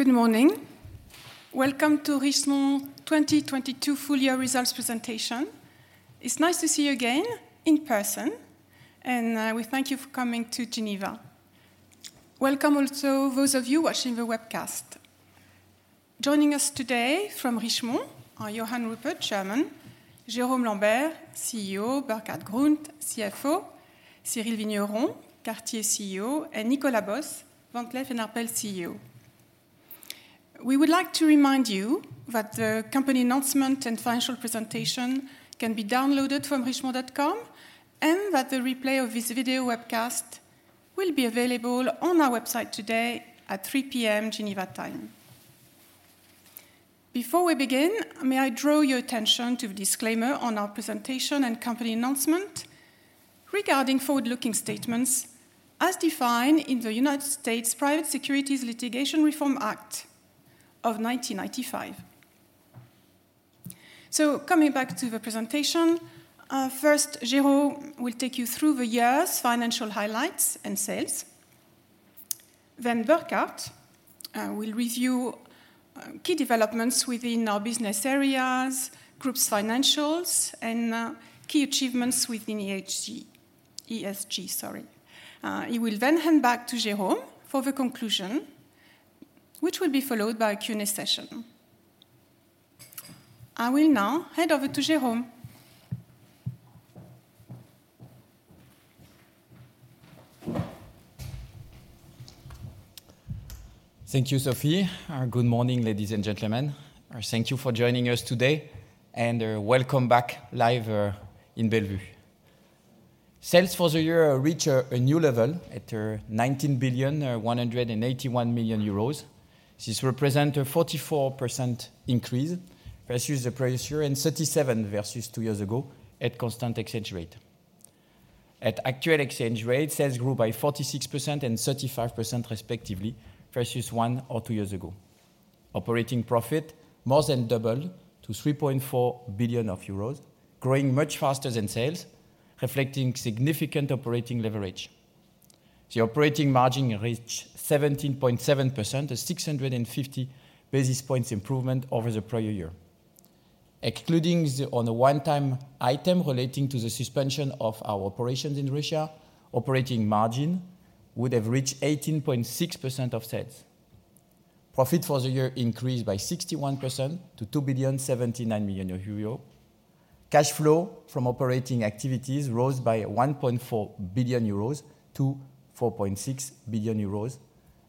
Good morning. Welcome to Richemont 2022 full year results presentation. It's nice to see you again in person, and we thank you for coming to Geneva. Welcome also those of you watching the webcast. Joining us today from Richemont are Johann Rupert, Chairman; Jérôme Lambert, CEO; Burkhart Grund, CFO; Cyrille Vigneron, Cartier CEO; and Nicolas Bos, Van Cleef & Arpels CEO. We would like to remind you that the company announcement and financial presentation can be downloaded from richemont.com, and that the replay of this video webcast will be available on our website today at 3:00 P.M. Geneva time. Before we begin, may I draw your attention to the disclaimer on our presentation and company announcement regarding forward-looking statements as defined in the United States Private Securities Litigation Reform Act of 1995. Coming back to the presentation, first, Jérôme will take you through the year's financial highlights and sales. Then Burkhart will review key developments within our business areas, group's financials, and key achievements within ESG, sorry. He will then hand back to Jérôme for the conclusion, which will be followed by a Q&A session. I will now hand over to Jérôme. Thank you, Sophie. Good morning, ladies and gentlemen. Thank you for joining us today, and welcome back live in Bellevue. Sales for the year reach a new level at 19.181 billion. This represent a 44% increase versus the previous year and 37% versus two years ago at constant exchange rate. At actual exchange rate, sales grew by 46% and 35% respectively versus one or two years ago. Operating profit more than doubled to 3.4 billion euros, growing much faster than sales, reflecting significant operating leverage. The operating margin reached 17.7%, a 650 basis points improvement over the prior year. Excluding the one-time item relating to the suspension of our operations in Russia, operating margin would have reached 18.6% of sales. Profit for the year increased by 61% to 2.079 billion. Cash flow from operating activities rose by 1.4 billion euros to 4.6 billion euros,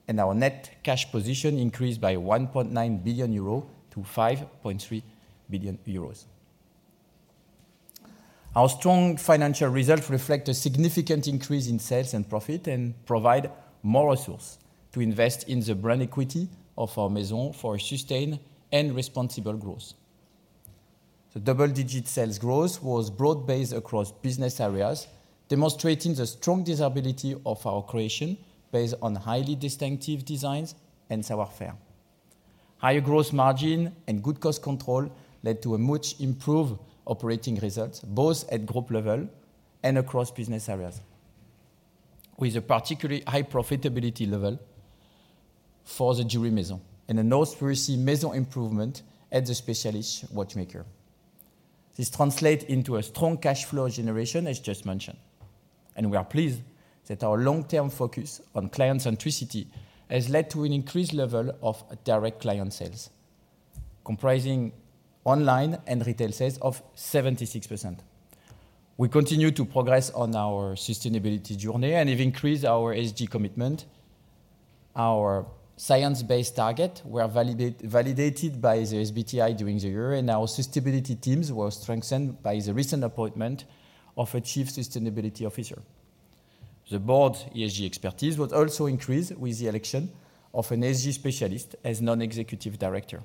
and our net cash position increased by 1.9 billion euros to 5.3 billion euros. Our strong financial results reflect a significant increase in sales and profit and provide more resources to invest in the brand equity of our Maisons for a sustained and responsible growth. The double-digit sales growth was broad-based across business areas, demonstrating the strong desirability of our creations based on highly distinctive designs and savoir-faire. Higher gross margin and good cost control led to a much improved operating results, both at group level and across business areas, wit h a particularly high profitability level for the Jewellery Maisons and a noteworthy margin improvement at the Specialist Watchmakers. This translates into a strong cash flow generation, as just mentioned. We are pleased that our long-term focus on client centricity has led to an increased level of direct client sales, comprising online and retail sales of 76%. We continue to progress on our sustainability journey and have increased our ESG commitment. Our science-based targets were validated by the SBTi during the year, and our sustainability teams were strengthened by the recent appointment of a chief sustainability officer. The board ESG expertise was also increased with the election of an ESG specialist as non-executive director,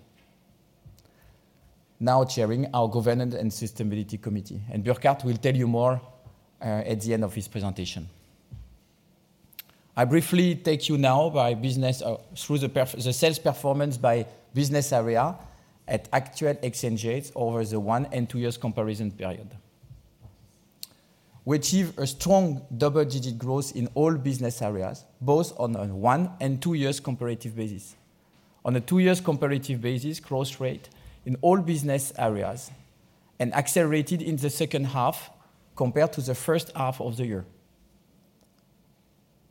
now chairing our governance and sustainability committee, and Burkhart will tell you more at the end of his presentation. I briefly take you now by business through the sales performance by business area at actual exchange rates over the one- and two-year comparison period. We achieve a strong double-digit growth in all business areas, both on a one-year and two-year comparative basis. On a two-year comparative basis, growth rate in all business areas accelerated in the second half compared to the first half of the year.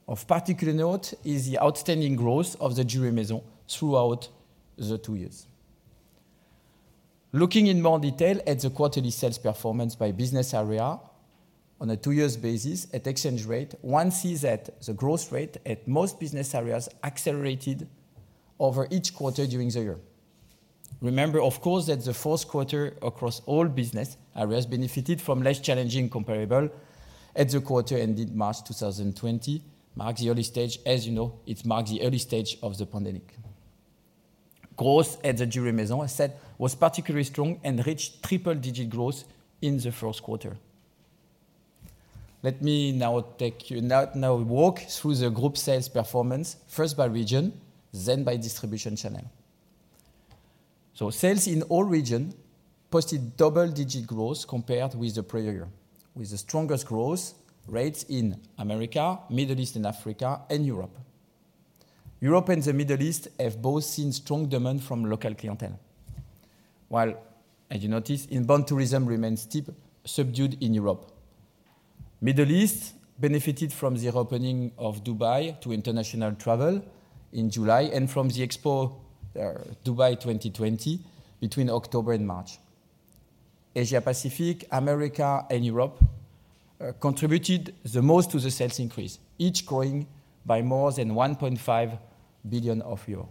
Of particular note is the outstanding growth of the Jewellery Maisons throughout the two years. Looking in more detail at the quarterly sales performance by business area on a two-year basis at exchange rate, one sees that the growth rate at most business areas accelerated over each quarter during the year. Remember, of course, that the fourth quarter across all business areas benefited from less challenging comparables at the quarter ended March 2020, marked the early stage, as you know, of the pandemic. Growth at the Jewellery Maisons, I said, was particularly strong and reached triple-digit growth in the first quarter. Let me now walk through the group sales performance, first by region, then by distribution channel. Sales in all regions posted double-digit growth compared with the prior year, with the strongest growth rates in America, Middle East and Africa, and Europe. Europe and the Middle East have both seen strong demand from local clientele. While, as you notice, inbound tourism remains subdued in Europe. Middle East benefited from the opening of Dubai to international travel in July and from the Expo Dubai 2020 between October and March. Asia-Pacific, America, and Europe contributed the most to the sales increase, each growing by more than 1.5 billion euros.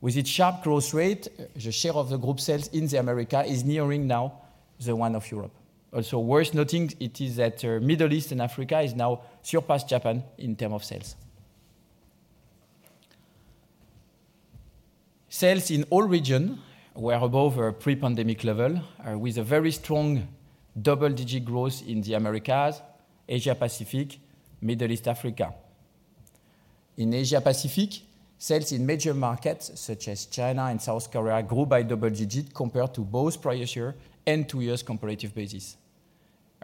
With its sharp growth rate, the share of the group sales in the Americas is nearing now the one of Europe. Also worth noting it is that, Middle East and Africa has now surpassed Japan in terms of sales. Sales in all regions were above our pre-pandemic level, with a very strong double-digit growth in the Americas, Asia-Pacific, Middle East, Africa. In Asia-Pacific, sales in major markets such as China and South Korea grew by double-digit compared to both prior-year and two-year comparative basis.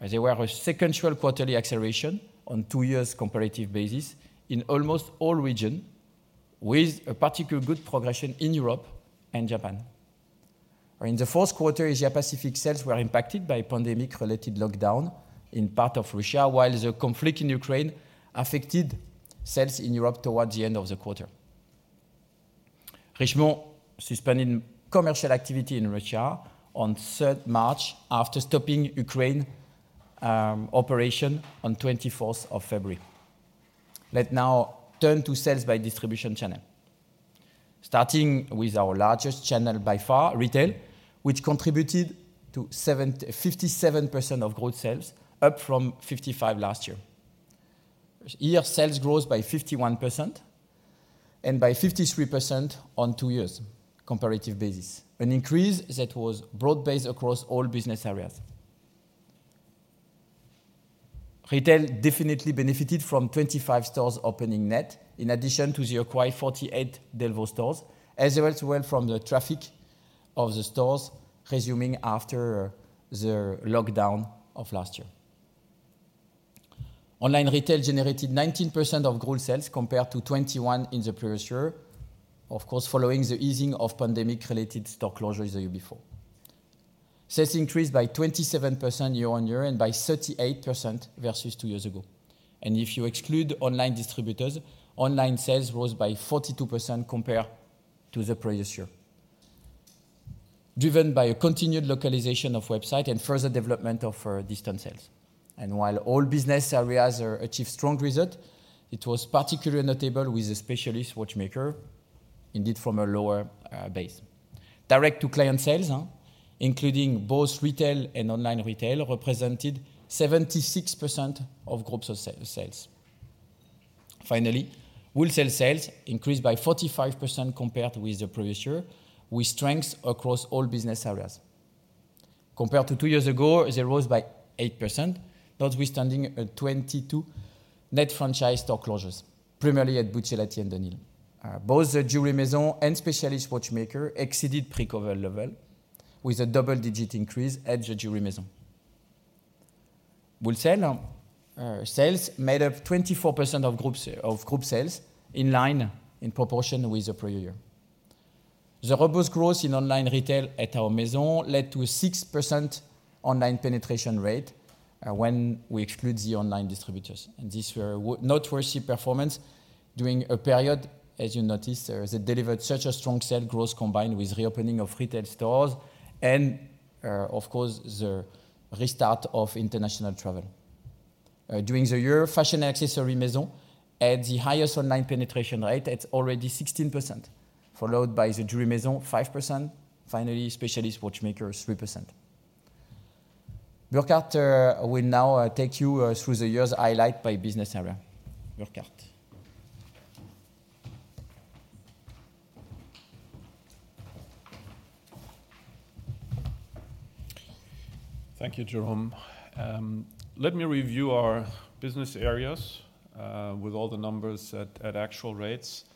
There were a sequential quarterly acceleration on two-year comparative basis in almost all regions with a particularly good progression in Europe and Japan. In the fourth quarter, Asia-Pacific sales were impacted by pandemic-related lockdown in part of Russia, while the conflict in Ukraine affected sales in Europe towards the end of the quarter. Richemont suspending commercial activity in Russia on 3rd March after stopping Ukraine operation on 24th of February. Let's now turn to sales by distribution channel. Starting with our largest channel by far, retail, which contributed to 57% of group sales, up from 55% last year. Retail sales grows by 51% and by 53% on two-year comparative basis, an increase that was broad-based across all business areas. Retail definitely benefited from 25 stores opening net in addition to the acquired 48 Delvaux stores, as well from the traffic of the stores resuming after the lockdown of last year. Online retail generated 19% of group sales compared to 21% in the prior year. Of course, following the easing of pandemic-related store closures the year before. Sales increased by 27% year-over-year and by 38% versus two years ago. If you exclude Online Distributors, online sales rose by 42% compared to the prior year, driven by a continued localization of website and further development of distance sales. While all business areas achieved strong result, it was particularly notable with the Specialist Watchmakers, indeed from a lower base. Direct-to-client sales, including both retail and online retail, represented 76% of group sales. Finally, wholesale sales increased by 45% compared with the prior year, with strengths across all business areas. Compared to two years ago, they rose by 8%, notwithstanding a 22 net franchise store closures, primarily at Buccellati and dunhill. Both the Jewellery Maisons and Specialist Watchmakers exceeded pre-COVID level with a double-digit increase at the Jewellery Maisons. Wholesale sales made up 24% of group sales in line in proportion with the prior year. The robust growth in online retail at our maison led to a 6% online penetration rate, when we exclude the online distributors. This was a noteworthy performance during a period, as you noticed, that delivered such a strong sales growth combined with reopening of retail stores and, of course, the restart of international travel. During the year, Fashion & Accessory Maisons had the highest online penetration rate at already 16%, followed by the Jewellery Maisons, 5%, finally Specialist Watchmakers, 3%. Burkhart will now take you through the year's highlights by business area. Burkhart. Thank you, Jérôme. Let me review our business areas with all the numbers at actual rates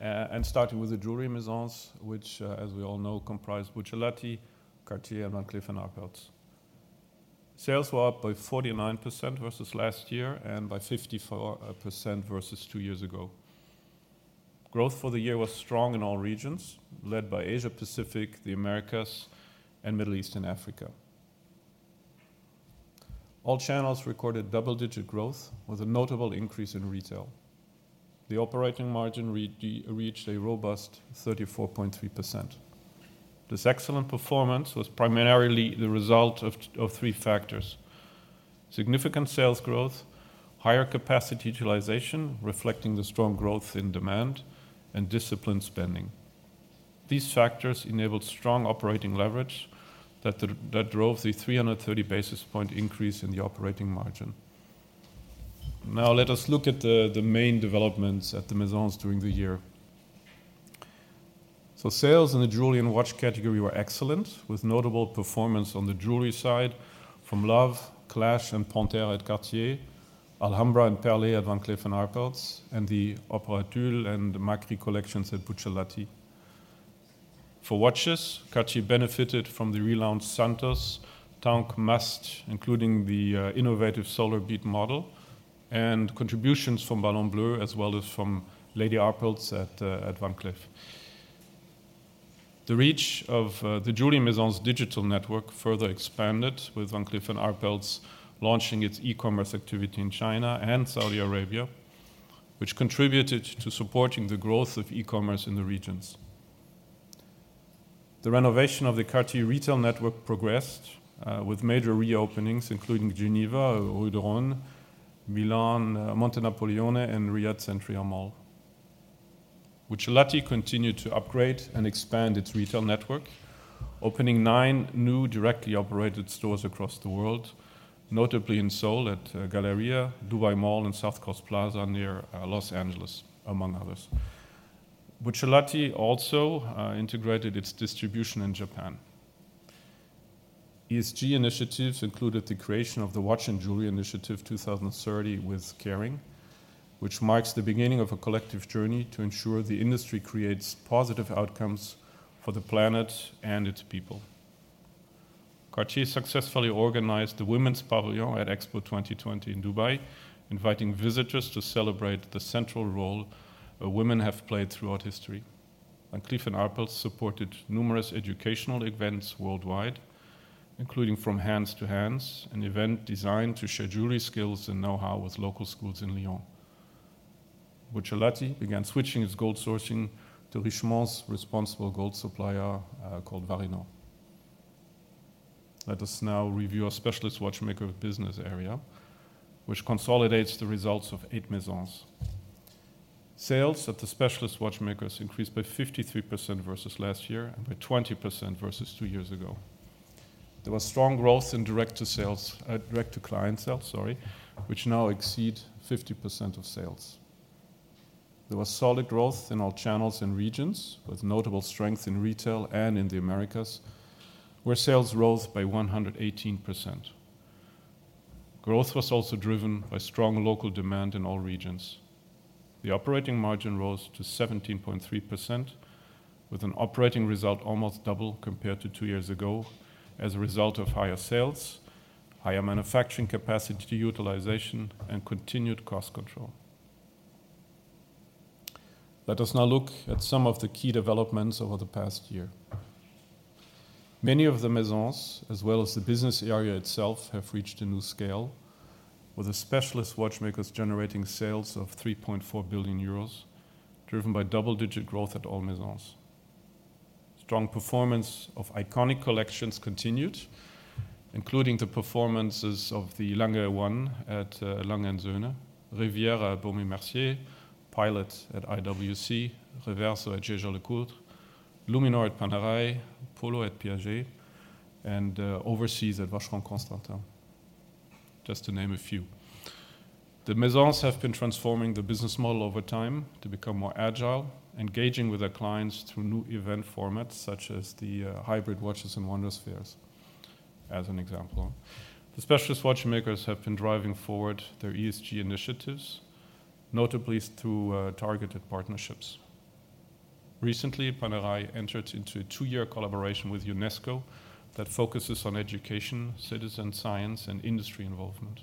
and starting with the Jewellery Maisons, which, as we all know, comprise Buccellati, Cartier, Van Cleef & Arpels. Sales were up by 49% versus last year and by 54% versus two years ago. Growth for the year was strong in all regions, led by Asia-Pacific, the Americas, and Middle East and Africa. All channels recorded double-digit growth, with a notable increase in retail. The operating margin reached a robust 34.3%. This excellent performance was primarily the result of three factors, significant sales growth, higher capacity utilization, reflecting the strong growth in demand, and disciplined spending. These factors enabled strong operating leverage that drove the 330 basis point increase in the operating margin. Now let us look at the main developments at the Maisons during the year. Sales in the jewellery and watch category were excellent, with notable performance on the jewellery side from Love, Clash, and Panthère at Cartier, Alhambra and Perlée at Van Cleef & Arpels, and the Opera Tulle and the Macri collections at Buccellati. For watches, Cartier benefited from the relaunched Santos, Tank Must, including the innovative SolarBeat model, and contributions from Ballon Bleu, as well as from Lady Arpels at Van Cleef & Arpels. The reach of the Jewellery Maisons digital network further expanded with Van Cleef & Arpels launching its e-commerce activity in China and Saudi Arabia, which contributed to supporting the growth of e-commerce in the regions. The renovation of the Cartier retail network progressed with major reopenings, including Geneva, Rue du Rhône, Milan Montenapoleone, and Riyadh Centria Mall. Buccellati continued to upgrade and expand its retail network, opening nine new directly-operated stores across the world, notably in Seoul at Galleria, Dubai Mall and South Coast Plaza near Los Angeles, among others. Buccellati also integrated its distribution in Japan. ESG initiatives included the creation of the Watch & Jewellery Initiative 2030 with Kering, which marks the beginning of a collective journey to ensure the industry creates positive outcomes for the planet and its people. Cartier successfully organized the Women's Pavilion at Expo 2020 Dubai, inviting visitors to celebrate the central role women have played throughout history. Van Cleef & Arpels supported numerous educational events worldwide, including From Hands to Hands, an event designed to share jewellery skills and know-how with local schools in Lyon. Buccellati began switching its gold sourcing to Richemont's responsible gold supplier, called Varinor. Let us now review our Specialist Watchmakers business area, which consolidates the results of eight Maisons. Sales at the Specialist Watchmakers increased by 53% versus last year and by 20% versus two years ago. There was strong growth in direct-to-client sales, which now exceed 50% of sales. There was solid growth in all channels and regions, with notable strength in retail and in the Americas, where sales rose by 118%. Growth was also driven by strong local demand in all regions. The operating margin rose to 17.3%, with an operating result almost double compared to two years ago as a result of higher sales, higher manufacturing capacity utilization, and continued cost control. Let us now look at some of the key developments over the past year. Many of the Maisons, as well as the business area itself, have reached a new scale, with the Specialist Watchmakers generating sales of 3.4 billion euros, driven by double-digit growth at all Maisons. Strong performance of iconic collections continued, including the performances of the Lange 1 at A. Lange & Söhne, Riviera at Baume & Mercier, Pilot at IWC, Reverso at Jaeger-LeCoultre, Luminor at Panerai, Polo at Piaget, and Overseas at Vacheron Constantin, just to name a few. The Maisons have been transforming the business model over time to become more agile, engaging with their clients through new event formats, such as the hybrid Watches and Wonders fair, as an example. The Specialist Watchmakers have been driving forward their ESG initiatives, notably through targeted partnerships. Recently, Panerai entered into a two-year collaboration with UNESCO that focuses on education, citizen science, and industry involvement.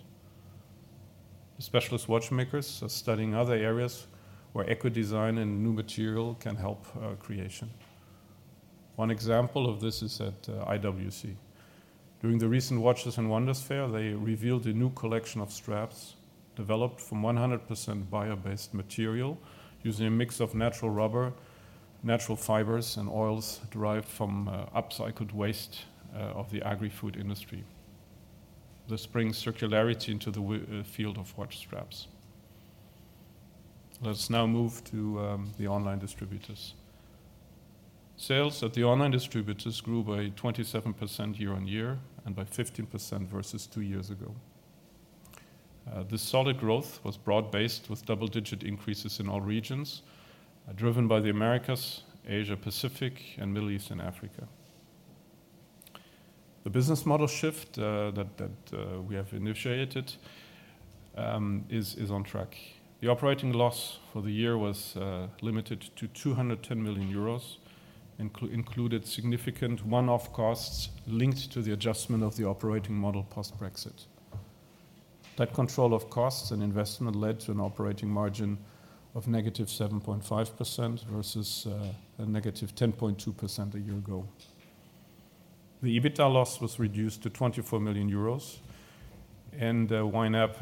The Specialist Watchmakers are studying other areas where eco-design and new material can help creation. One example of this is at IWC. During the recent Watches and Wonders fair, they revealed a new collection of straps developed from 100% bio-based material using a mix of natural rubber, natural fibers, and oils derived from upcycled waste of the agri-food industry. This brings circularity into the field of watch straps. Let's now move to the Online Distributors. Sales at the Online Distributors grew by 27% year-on-year and by 15% versus two years ago. This solid growth was broad-based with double-digit increases in all regions, driven by the Americas, Asia-Pacific, and Middle East and Africa. The business model shift that we have initiated is on track. The operating loss for the year was limited to 210 million euros, included significant one-off costs linked to the adjustment of the operating model post-Brexit. That control of costs and investment led to an operating margin of -7.5% versus a -10.2% a year ago. The EBITDA loss was reduced to 24 million euros, and YNAP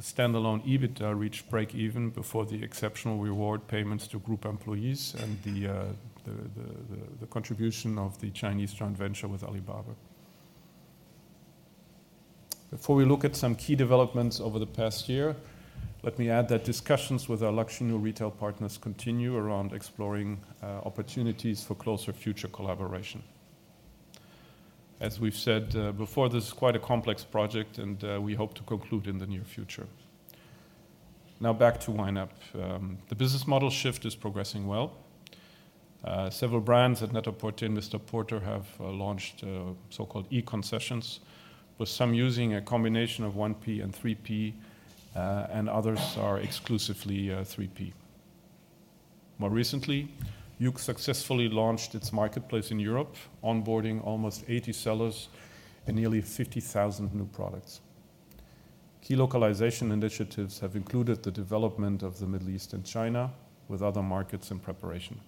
standalone EBITDA reached break-even before the exceptional reward payments to group employees and the contribution of the Chinese joint venture with Alibaba. Before we look at some key developments over the past year, let me add that discussions with our Luxury New Retail partners continue around exploring opportunities for closer future collaboration. As we've said before, this is quite a complex project, and we hope to conclude in the near future. Now back to YNAP. The business model shift is progressing well. Several brands at NET-A-PORTER and MR PORTER have launched so-called e-concessions, with some using a combination of 1P and 3P, and others are exclusively 3P. More recently, YOOX successfully launched its marketplace in Europe, onboarding almost 80 sellers and nearly 50,000 new products. Key localization initiatives have included the development of the Middle East and China, with other markets in preparation.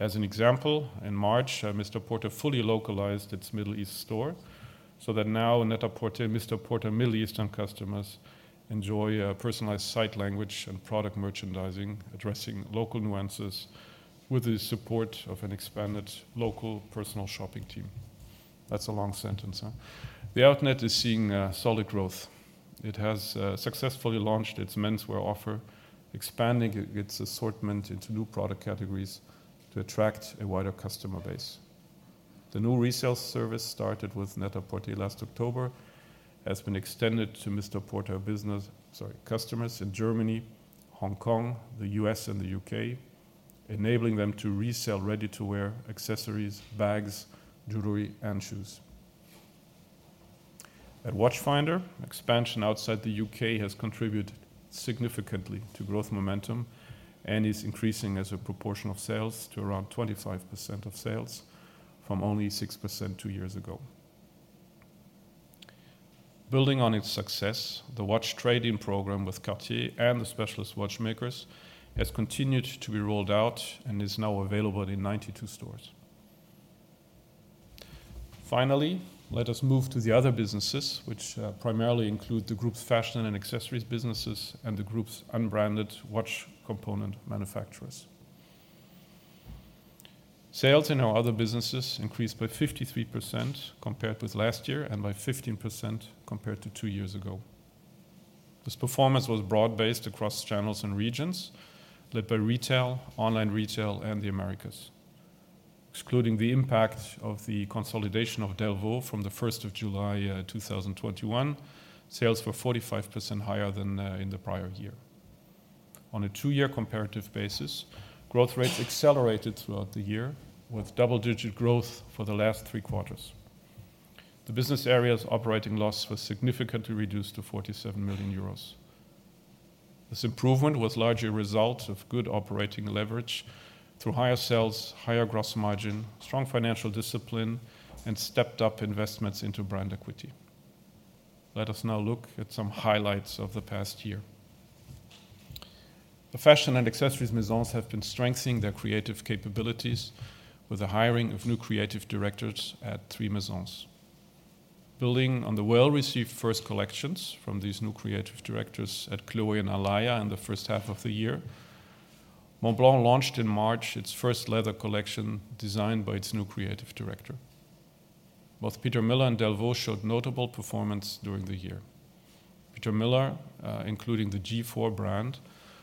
As an example, in March, MR PORTER fully localized its Middle East store, so that now NET-A-PORTER, MR PORTER Middle Eastern customers enjoy a personalized site language and product merchandising addressing local nuances with the support of an expanded local personal shopping team. That's a long sentence. THE OUTNET is seeing solid growth. It has successfully launched its menswear offer, expanding its assortment into new product categories to attract a wider customer base. The new resale service started with NET-A-PORTER last October has been extended to MR PORTER customers in Germany, Hong Kong, the U.S., and the U.K., enabling them to resell ready-to-wear accessories, bags, jewellery, and shoes. At Watchfinder, expansion outside the U.K. has contributed significantly to growth momentum and is increasing as a proportion of sales to around 25% of sales from only 6% two years ago. Building on its success, the watch trade-in program with Cartier and the Specialist Watchmakershas continued to be rolled out and is now available in 92 stores. Finally, let us move to the other businesses, which primarily include the Group's Fashion & Accessories businesses and the group's unbranded watch component manufacturers. Sales in our other businesses increased by 53% compared with last year and by 15% compared to two years ago. This performance was broad-based across channels and regions, led by retail, online retail, and the Americas. Excluding the impact of the consolidation of Delvaux from the 1st of July 2021, sales were 45% higher than in the prior year. On a two-year comparative basis, growth rates accelerated throughout the year, with double-digit growth for the last three quarters. The business area's operating loss was significantly reduced to 47 million euros. This improvement was largely a result of good operating leverage through higher sales, higher gross margin, strong financial discipline, and stepped-up investments into brand equity. Let us now look at some highlights of the past year. The Fashion & Accessories Maisons have been strengthening their creative capabilities with the hiring of new creative directors at three Maisons. Building on the well-received first collections from these new creative directors at Chloé and Alaïa in the first half of the year, Montblanc launched in March its first leather collection designed by its new creative director. Both Peter Millar and Delvaux showed notable performance during the year. Peter Millar, including the G/FORE brand,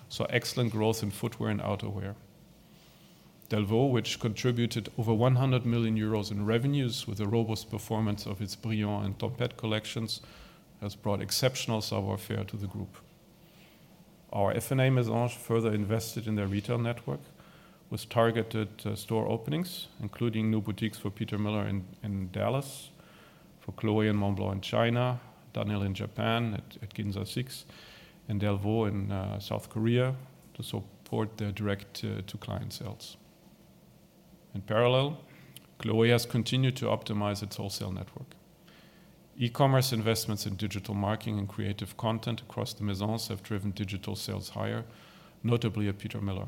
saw excellent growth in footwear and outerwear. Delvaux, which contributed over 100 million euros in revenues with the robust performance of its Brillant and Tempête collections, has brought exceptional savoir-faire to the group. Our F&A Maisons further invested in their retail network with targeted store openings, including new boutiques for Peter Millar in Dallas, for Chloé and Montblanc in China, dunhill in Japan at Ginza Six, and Delvaux in South Korea to support their direct to client sales. In parallel, Chloé has continued to optimize its wholesale network. E-commerce investments in digital marketing and creative content across the Maisons have driven digital sales higher, notably at Peter Millar.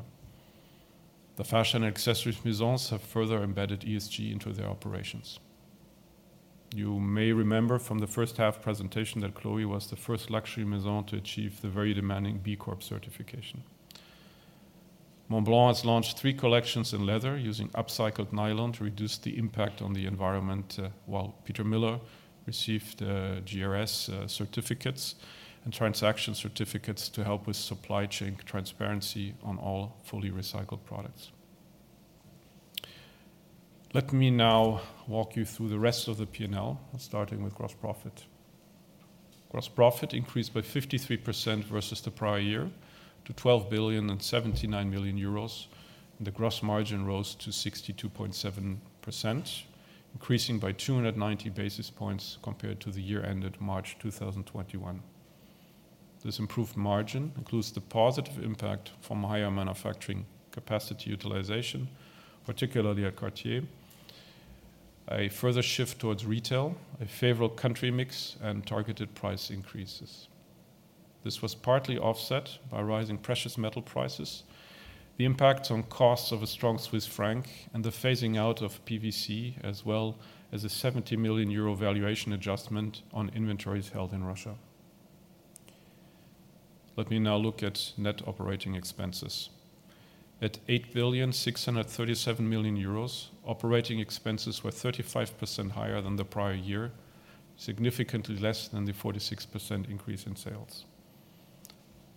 The Fashion & Accessories Maisons have further embedded ESG into their operations. You may remember from the first half presentation that Chloé was the first luxury Maison to achieve the very demanding B Corp certification. Montblanc has launched three collections in leather using upcycled nylon to reduce the impact on the environment, while Peter Millar received GRS certificates and transaction certificates to help with supply chain transparency on all fully recycled products. Let me now walk you through the rest of the P&L, starting with gross profit. Gross profit increased by 53% versus the prior year to 12.079 billion, and the gross margin rose to 62.7%, increasing by 290 basis points compared to the year ended March 2021. This improved margin includes the positive impact from higher manufacturing capacity utilization, particularly at Cartier, a further shift towards retail, a favorable country mix, and targeted price increases. This was partly offset by rising precious metal prices, the impact on costs of a strong Swiss franc, and the phasing out of PVC, as well as a 70 million euro valuation adjustment on inventories held in Russia. Let me now look at net OpEx. At EUR 8,637 million, OpEx was 35% higher than the prior year, significantly less than the 46% increase in sales.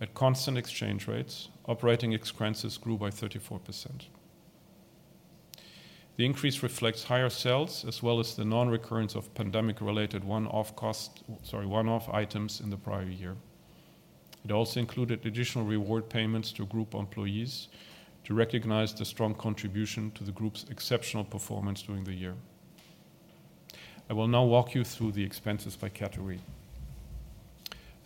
At constant exchange rates, OpEx grew by 34%. The increase reflects higher sales as well as the non-recurrence of pandemic-related one-off items in the prior year. It also included additional reward payments to group employees to recognize the strong contribution to the Group's exceptional performance during the year. I will now walk you through the expenses by category.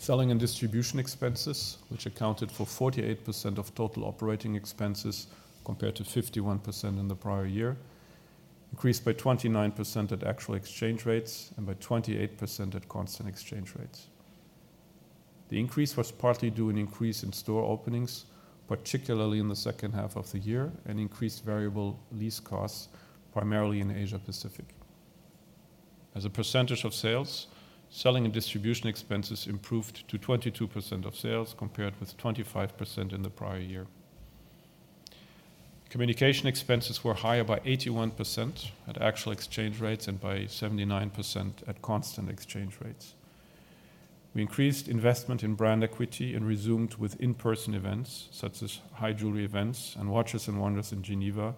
Selling and distribution expenses, which accounted for 48% of total OpEx compared to 51% in the prior year, increased by 29% at actual exchange rates and by 28% at constant exchange rates. The increase was partly due to an increase in store openings, particularly in the second half of the year, and increased variable lease costs, primarily in Asia-Pacific. As a percentage of sales, selling and distribution expenses improved to 22% of sales compared with 25% in the prior year. Communication expenses were higher by 81% at actual exchange rates and by 79% at constant exchange rates. We increased investment in brand equity and resumed with in-person events, such as High Jewellery events and Watches and Wonders in Geneva,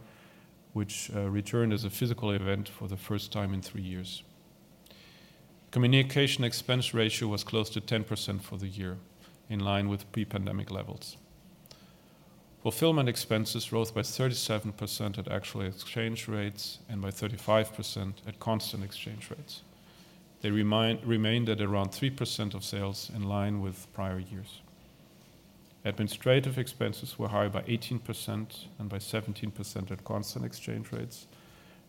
which returned as a physical event for the first time in three years. Communication expense ratio was close to 10% for the year, in line with pre-pandemic levels. Fulfillment expenses rose by 37% at actual exchange rates and by 35% at constant exchange rates. They remained at around 3% of sales in line with prior years. Administrative expenses were higher by 18% and by 17% at constant exchange rates,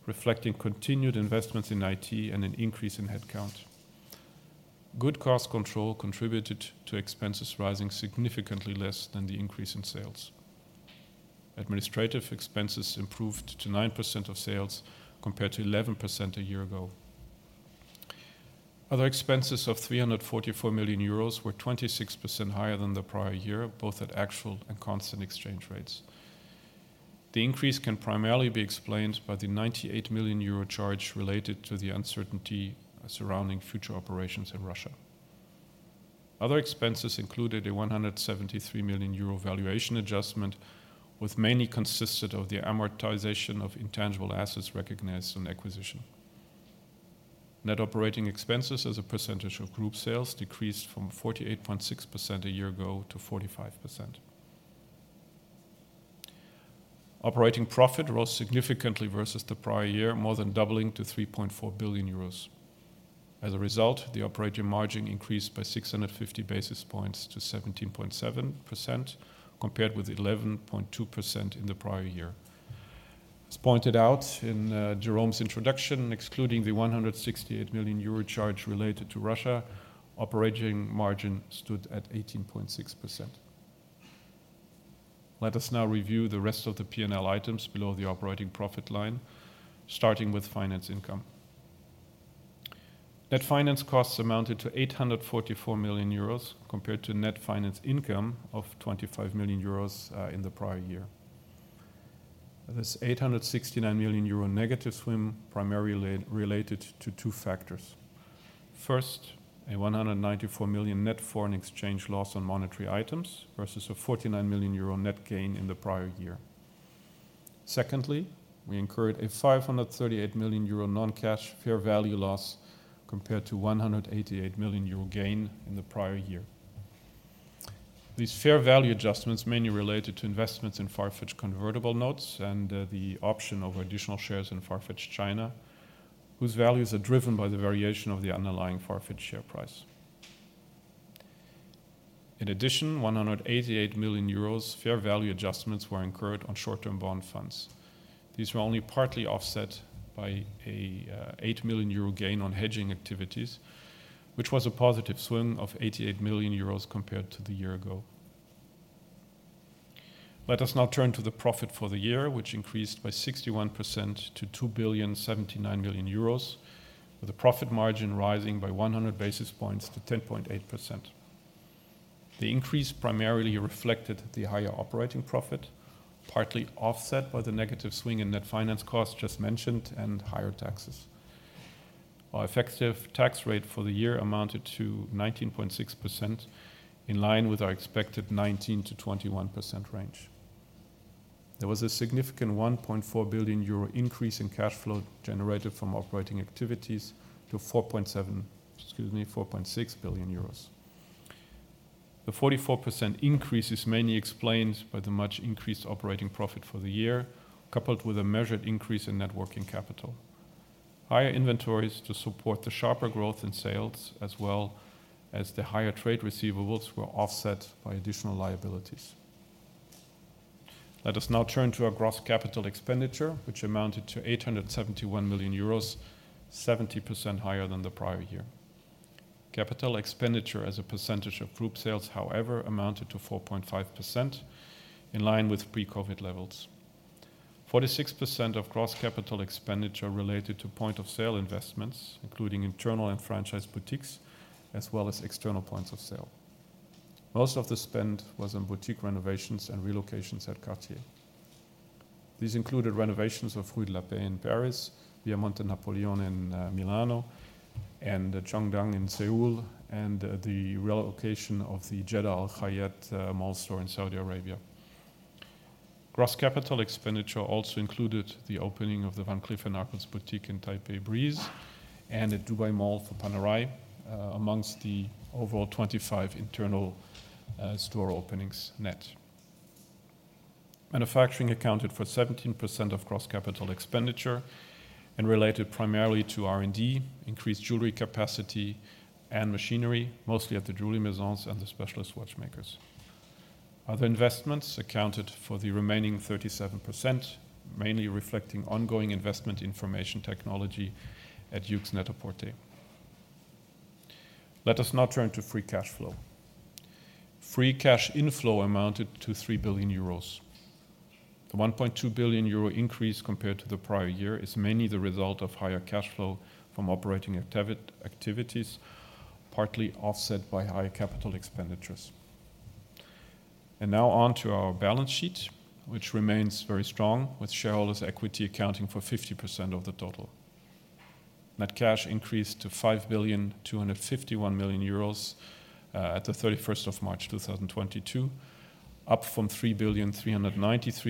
reflecting continued investments in IT and an increase in headcount. Good cost control contributed to expenses rising significantly less than the increase in sales. Administrative expenses improved to 9% of sales compared to 11% a year ago. Other expenses of 344 million euros were 26% higher than the prior year, both at actual and constant exchange rates. The increase can primarily be explained by the 98 million euro charge related to the uncertainty surrounding future operations in Russia.Other expenses included a 173 million euro valuation adjustment, which mainly consisted of the amortization of intangible assets recognized on acquisition. Net operating expenses as a percentage of group sales decreased from 48.6% a year ago to 45%. Operating profit rose significantly versus the prior year, more than doubling to 3.4 billion euros. As a result, the operating margin increased by 650 basis points to 17.7%, compared with 11.2% in the prior year. As pointed out in Jérôme's introduction, excluding the 168 million euro charge related to Russia, operating margin stood at 18.6%. Let us now review the rest of the P&L items below the operating profit line, starting with finance income. Net finance costs amounted to 844 million euros compared to net finance income of 25 million euros in the prior year. This 869 million euro negative swing primarily related to two factors. First, a 194 million net foreign exchange loss on monetary items versus a 49 million euro net gain in the prior year. Secondly, we incurred a 538 million euro non-cash fair value loss compared to 188 million euro gain in the prior year. These fair value adjustments mainly related to investments in Farfetch convertible notes and the option of additional shares in Farfetch China, whose values are driven by the variation of the underlying Farfetch share price. In addition, 188 million euros fair value adjustments were incurred on short-term bond funds. These were only partly offset by an 8 million euro gain on hedging activities, which was a positive swing of 88 million euros compared to the year ago. Let us now turn to the profit for the year, which increased by 61% to 2.079 billion, with the profit margin rising by 100 basis points to 10.8%. The increase primarily reflected the higher operating profit, partly offset by the negative swing in net finance costs just mentioned and higher taxes. Our effective tax rate for the year amounted to 19.6%, in line with our expected 19%-21% range. There was a significant 1.4 billion euro increase in cash flow generated from operating activities to 4.6 billion euros. The 44% increase is mainly explained by the much increased operating profit for the year, coupled with a measured increase in net working capital. Higher inventories to support the sharper growth in sales, as well as the higher trade receivables, were offset by additional liabilities. Let us now turn to our gross CapEx, which amounted to 871 million euros, 70% higher than the prior year. CapEx as a percentage of group sales, however, amounted to 4.5%, in line with pre-COVID levels. Forty-six percent of gross CapEx related to point-of-sale investments, including internal and franchise boutiques, as well as external points of sale. Most of the spend was on boutique renovations and relocations at Cartier. These included renovations of Rue de la Paix in Paris, Via Monte Napoleone in Milan, and the Cheongdam in Seoul, and the relocation of the Jeddah Al Khayyat mall store in Saudi Arabia. Gross CapEx also included the opening of the Van Cleef & Arpels boutique in Taipei Breeze and at Dubai Mall for Panerai, among the overall 25 internal store openings net. Manufacturing accounted for 17% of gross CapEx and related primarily to R&D, increased jewellery capacity and machinery, mostly at the Jewellery Maisons and the Specialist Watchmakers. Other investments accounted for the remaining 37%, mainly reflecting ongoing investment in information technology at YOOX NET-A-PORTER. Let us now turn to free cash flow. Free cash inflow amounted to 3 billion euros. The 1.2 billion euro increase compared to the prior year is mainly the result of higher cash flow from operating activities, partly offset by higher CapEx. Now on to our balance sheet, which remains very strong, with shareholders' equity accounting for 50% of the total. Net cash increased to 5.251 billion at the 31st of March 2022, up from 3.393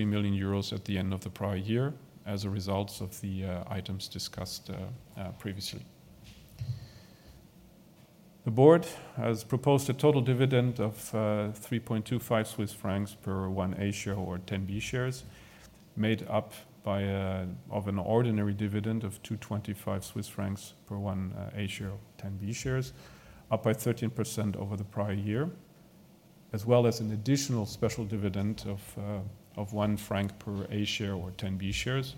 billion at the end of the prior year as a result of the items discussed previously. The Board has proposed a total dividend of 3.25 Swiss francs per one A share or 10 B shares, made up of an ordinary dividend of 2.25 Swiss francs per one A share or 10 B shares, up 13% over the prior year, as well as an additional special dividend of 1 franc per A share or 10 B shares,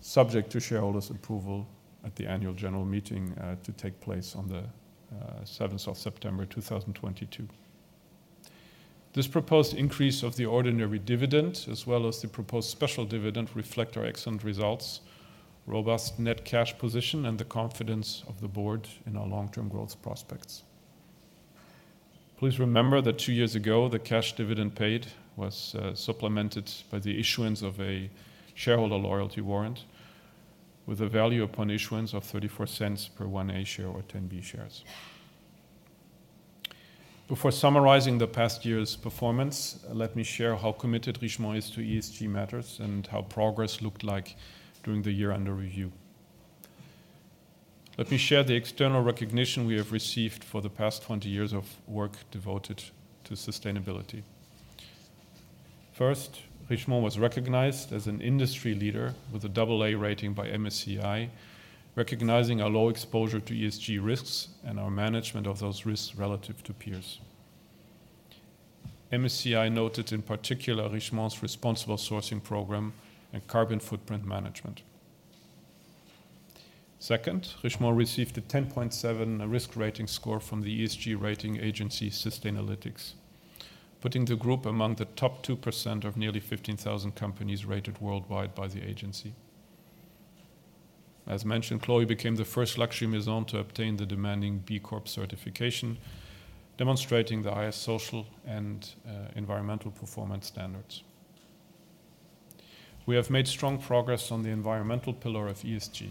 subject to shareholders' approval at the Annual General Meeting to take place on the 7th of September 2022. This proposed increase of the ordinary dividend, as well as the proposed special dividend, reflect our excellent results, robust net cash position, and the confidence of the board in our long-term growth prospects. Please remember that two years ago, the cash dividend paid was supplemented by the issuance of a shareholder loyalty warrant with a value upon issuance of 0.34 per one A share or 10 B shares. Before summarizing the past year's performance, let me share how committed Richemont is to ESG matters and how progress looked like during the year under review. Let me share the external recognition we have received for the past 20 years of work devoted to sustainability. First, Richemont was recognized as an industry leader with a AA rating by MSCI, recognizing our low exposure to ESG risks and our management of those risks relative to peers. MSCI noted in particular Richemont's responsible sourcing program and carbon footprint management. Second, Richemont received a 10.7 risk rating score from the ESG rating agency Sustainalytics, putting the group among the top 2% of nearly 15,000 companies rated worldwide by the agency. As mentioned, Chloé became the first luxury Maison to obtain the demanding B Corp certification, demonstrating the highest social and environmental performance standards. We have made strong progress on the environmental pillar of ESG.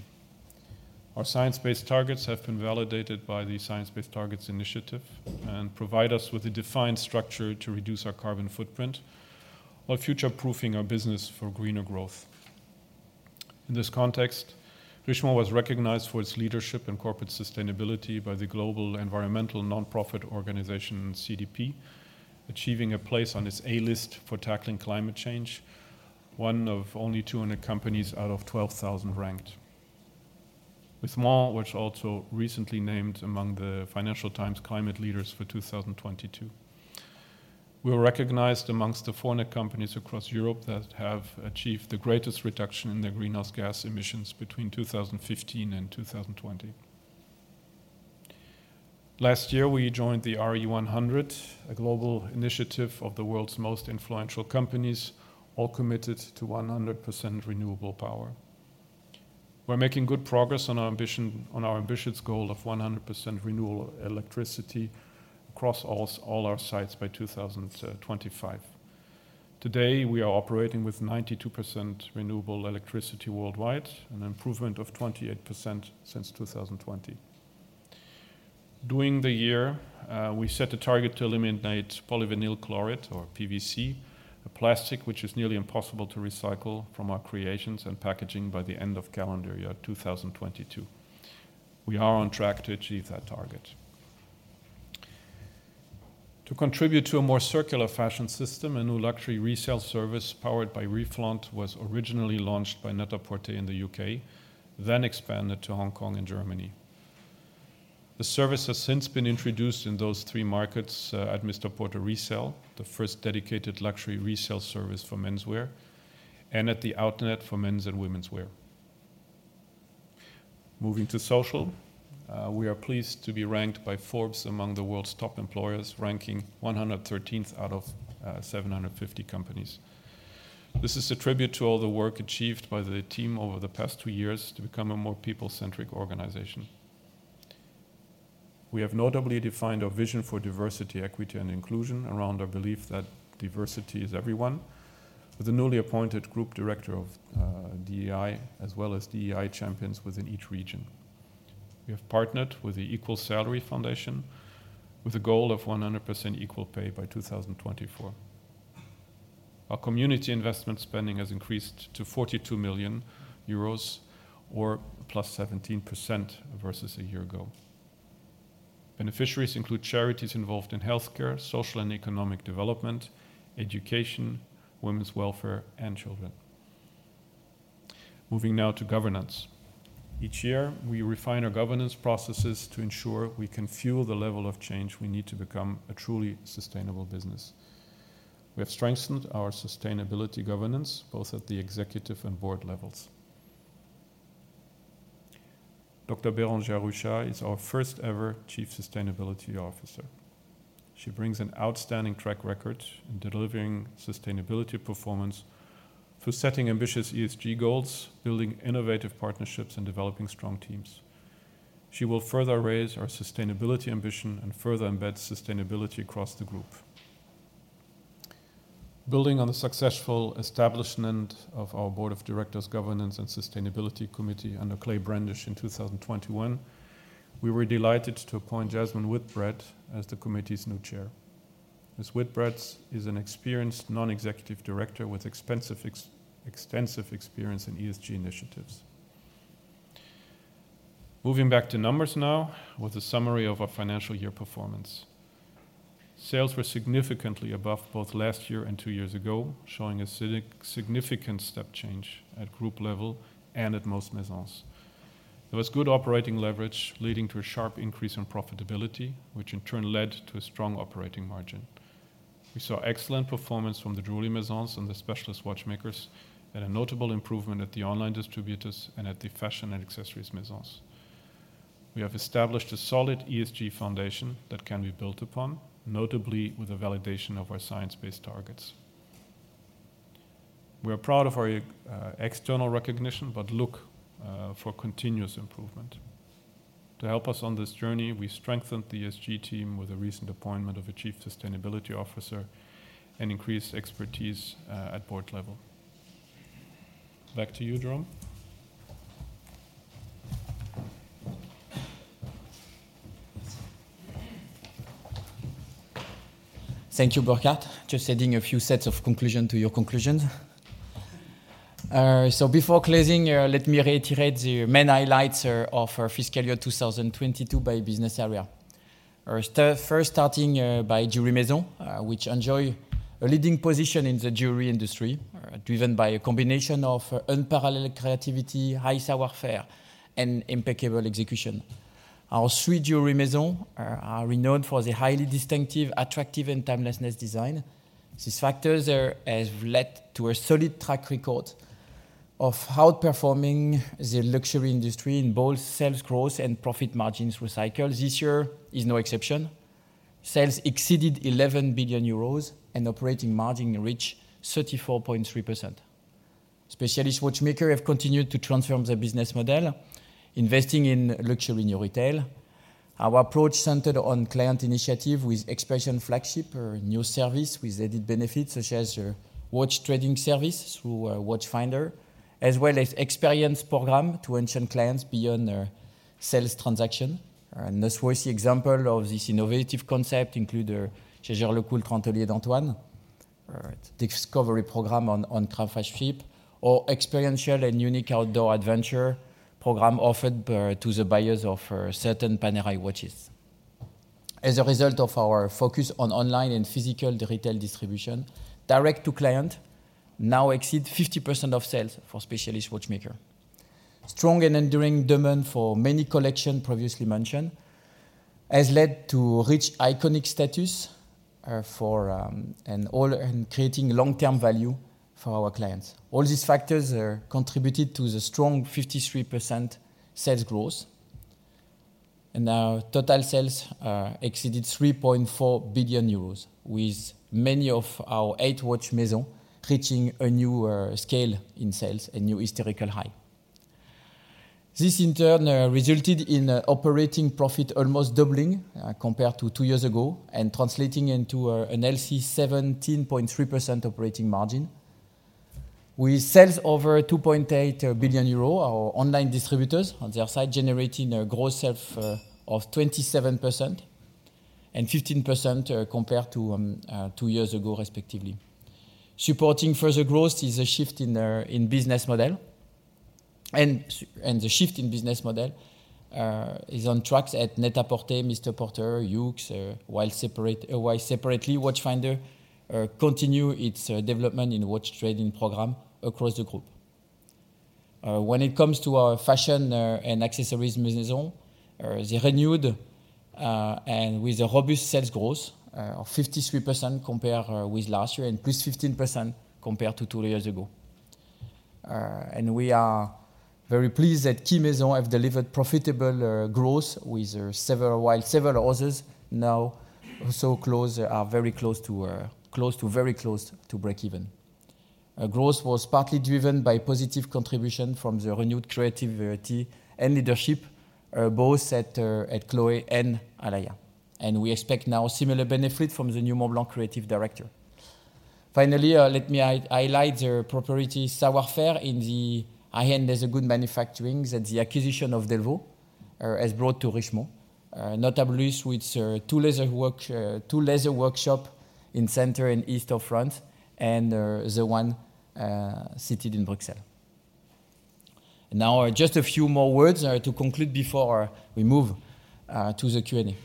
Our science-based targets have been validated by the Science Based Targets initiative and provide us with a defined structure to reduce our carbon footprint while future-proofing our business for greener growth. In this context, Richemont was recognized for its leadership in corporate sustainability by the global environmental nonprofit organization CDP, achieving a place on its A list for tackling climate change, one of only 200 companies out of 12,000 ranked. Richemont was also recently named among the Financial Times Climate Leaders for 2022. We were recognized among the four net companies across Europe that have achieved the greatest reduction in their greenhouse gas emissions between 2015 and 2020. Last year, we joined the RE100, a global initiative of the world's most influential companies, all committed to 100% renewable power. We're making good progress on our ambition, on our ambitious goal of 100% renewable electricity across all our sites by 2025. Today, we are operating with 92% renewable electricity worldwide, an improvement of 28% since 2020. During the year, we set a target to eliminate polyvinyl chloride, or PVC, a plastic which is nearly impossible to recycle, from our creations and packaging by the end of calendar year 2022. We are on track to achieve that target. To contribute to a more circular fashion system, a new luxury resale service powered by Reflaunt was originally launched by NET-A-PORTER in the U.K., then expanded to Hong Kong and Germany. The service has since been introduced in those three markets, at MR PORTER RESELL, the first dedicated luxury resale service for menswear, and at THE OUTNET for mens- and womenswear. Moving to social, we are pleased to be ranked by Forbes among the world's top employers, ranking 113th out of 750 companies. This is a tribute to all the work achieved by the team over the past two years to become a more people-centric organization. We have notably defined our vision for diversity, equity, and inclusion around our belief that diversity is everyone, with a newly appointed group director of DEI, as well as DEI champions within each region. We have partnered with the EQUAL-SALARY Foundation with a goal of 100% equal pay by 2024. Our community investment spending has increased to 42 million euros, or +17% versus a year ago. Beneficiaries include charities involved in healthcare, social and economic development, education, women's welfare, and children. Moving now to governance. Each year, we refine our governance processes to ensure we can fuel the level of change we need to become a truly sustainable business. We have strengthened our sustainability governance, both at the executive and board levels. Dr. Bérangère Ruchat is our first-ever chief sustainability officer. She brings an outstanding track record in delivering sustainability performance through setting ambitious ESG goals, building innovative partnerships, and developing strong teams. She will further raise our sustainability ambition and further embed sustainability across the group. Building on the successful establishment of our Board of Directors's Governance and Sustainability Committee under Clay Brendish in 2021, we were delighted to appoint Jasmine Whitbread as the committee's new chair. Ms. Whitbread is an experienced Non-Executive Director with extensive experience in ESG initiatives. Moving back to numbers now with a summary of our financial year performance. Sales were significantly above both last year and two years ago, showing a significant step change at group level and at most Maisons. There was good operating leverage leading to a sharp increase in profitability, which in turn led to a strong operating margin. We saw excellent performance from the Jewellery Maisons and the Specialist Watchmakers, and a notable improvement at the Online Distributors and at the Fashion & Accessories Maisons. We have established a solid ESG foundation that can be built upon, notably with the validation of our science-based targets. We are proud of our external recognition, but look for continuous improvement. To help us on this journey, we strengthened the ESG team with the recent appointment of a chief sustainability officer and increased expertise at board level. Back to you, Jérôme. Thank you, Burkhart. Just adding a few sets of conclusion to your conclusion. Before closing, let me reiterate the main highlights of our fiscal year 2022 by business area. First starting by Jewellery Maisons, which enjoy a leading position in the jewellery industry, driven by a combination of unparalleled creativity, high savoir-faire, and impeccable execution. Our three Jewellery Maisons are renowned for the highly distinctive, attractive, and timeless design. These factors has led to a solid track record of outperforming the luxury industry in both sales growth and profit margins through cycles. This year is no exception. Sales exceeded 11 billion euros and operating margin reached 34.3%. Specialist Watchmakers have continued to transform their business model, investing in Luxury New Retail. Our approach centered on client initiative with expansion flagship or new service with added benefits, such as watch trading service through Watchfinder, as well as experience program to ensure clients beyond their sales transaction. This was the example of this innovative concept include Jaeger-LeCoultre's Atelier d'Antoine, a discovery program on Café Chip, or experiential and unique outdoor adventure program offered to the buyers of certain Panerai watches. As a result of our focus on online and physical retail distribution, direct to client now exceed 50% of sales for Specialist Watchmakers. Strong and enduring demand for many collection previously mentioned has led to reach iconic status for and all creating long-term value for our clients. All these factors are contributed to the strong 53% sales growth. Our total sales exceeded 3.4 billion euros, with many of our eight watch Maisons reaching a new scale in sales, a new historical high. This in turn resulted in operating profit almost doubling compared to two years ago and translating into a healthy 17.3% operating margin. With sales over 2.8 billion euros, our Online Distributors on their side generating gross sales of 27% and 15% compared to two years ago, respectively. Supporting further growth is a shift in business model. The shift in business model is on track at NET-A-PORTER, MR PORTER, YOOX, while separately, Watchfinder continues its development in watch trading program across the group. When it comes to our Fashion & Accessories Maisons, they renewed and with a robust sales growth of 53% compared with last year and +15% compared to two years ago. We are very pleased that key Maisons have delivered profitable growth with several, while several others now so close, are very close to breakeven. Growth was partly driven by positive contribution from the renewed creativity and leadership both at Chloé and Alaïa. We expect now similar benefit from the new Montblanc creative director. Finally, let me highlight the proprietary savoir-faire in the high-end leather goods manufacturing that the acquisition of Delvaux has brought to Richemont, notably with two leather workshops in center and east of France and the one sited in Brussels. Now, just a few more words to conclude before we move to the Q&A.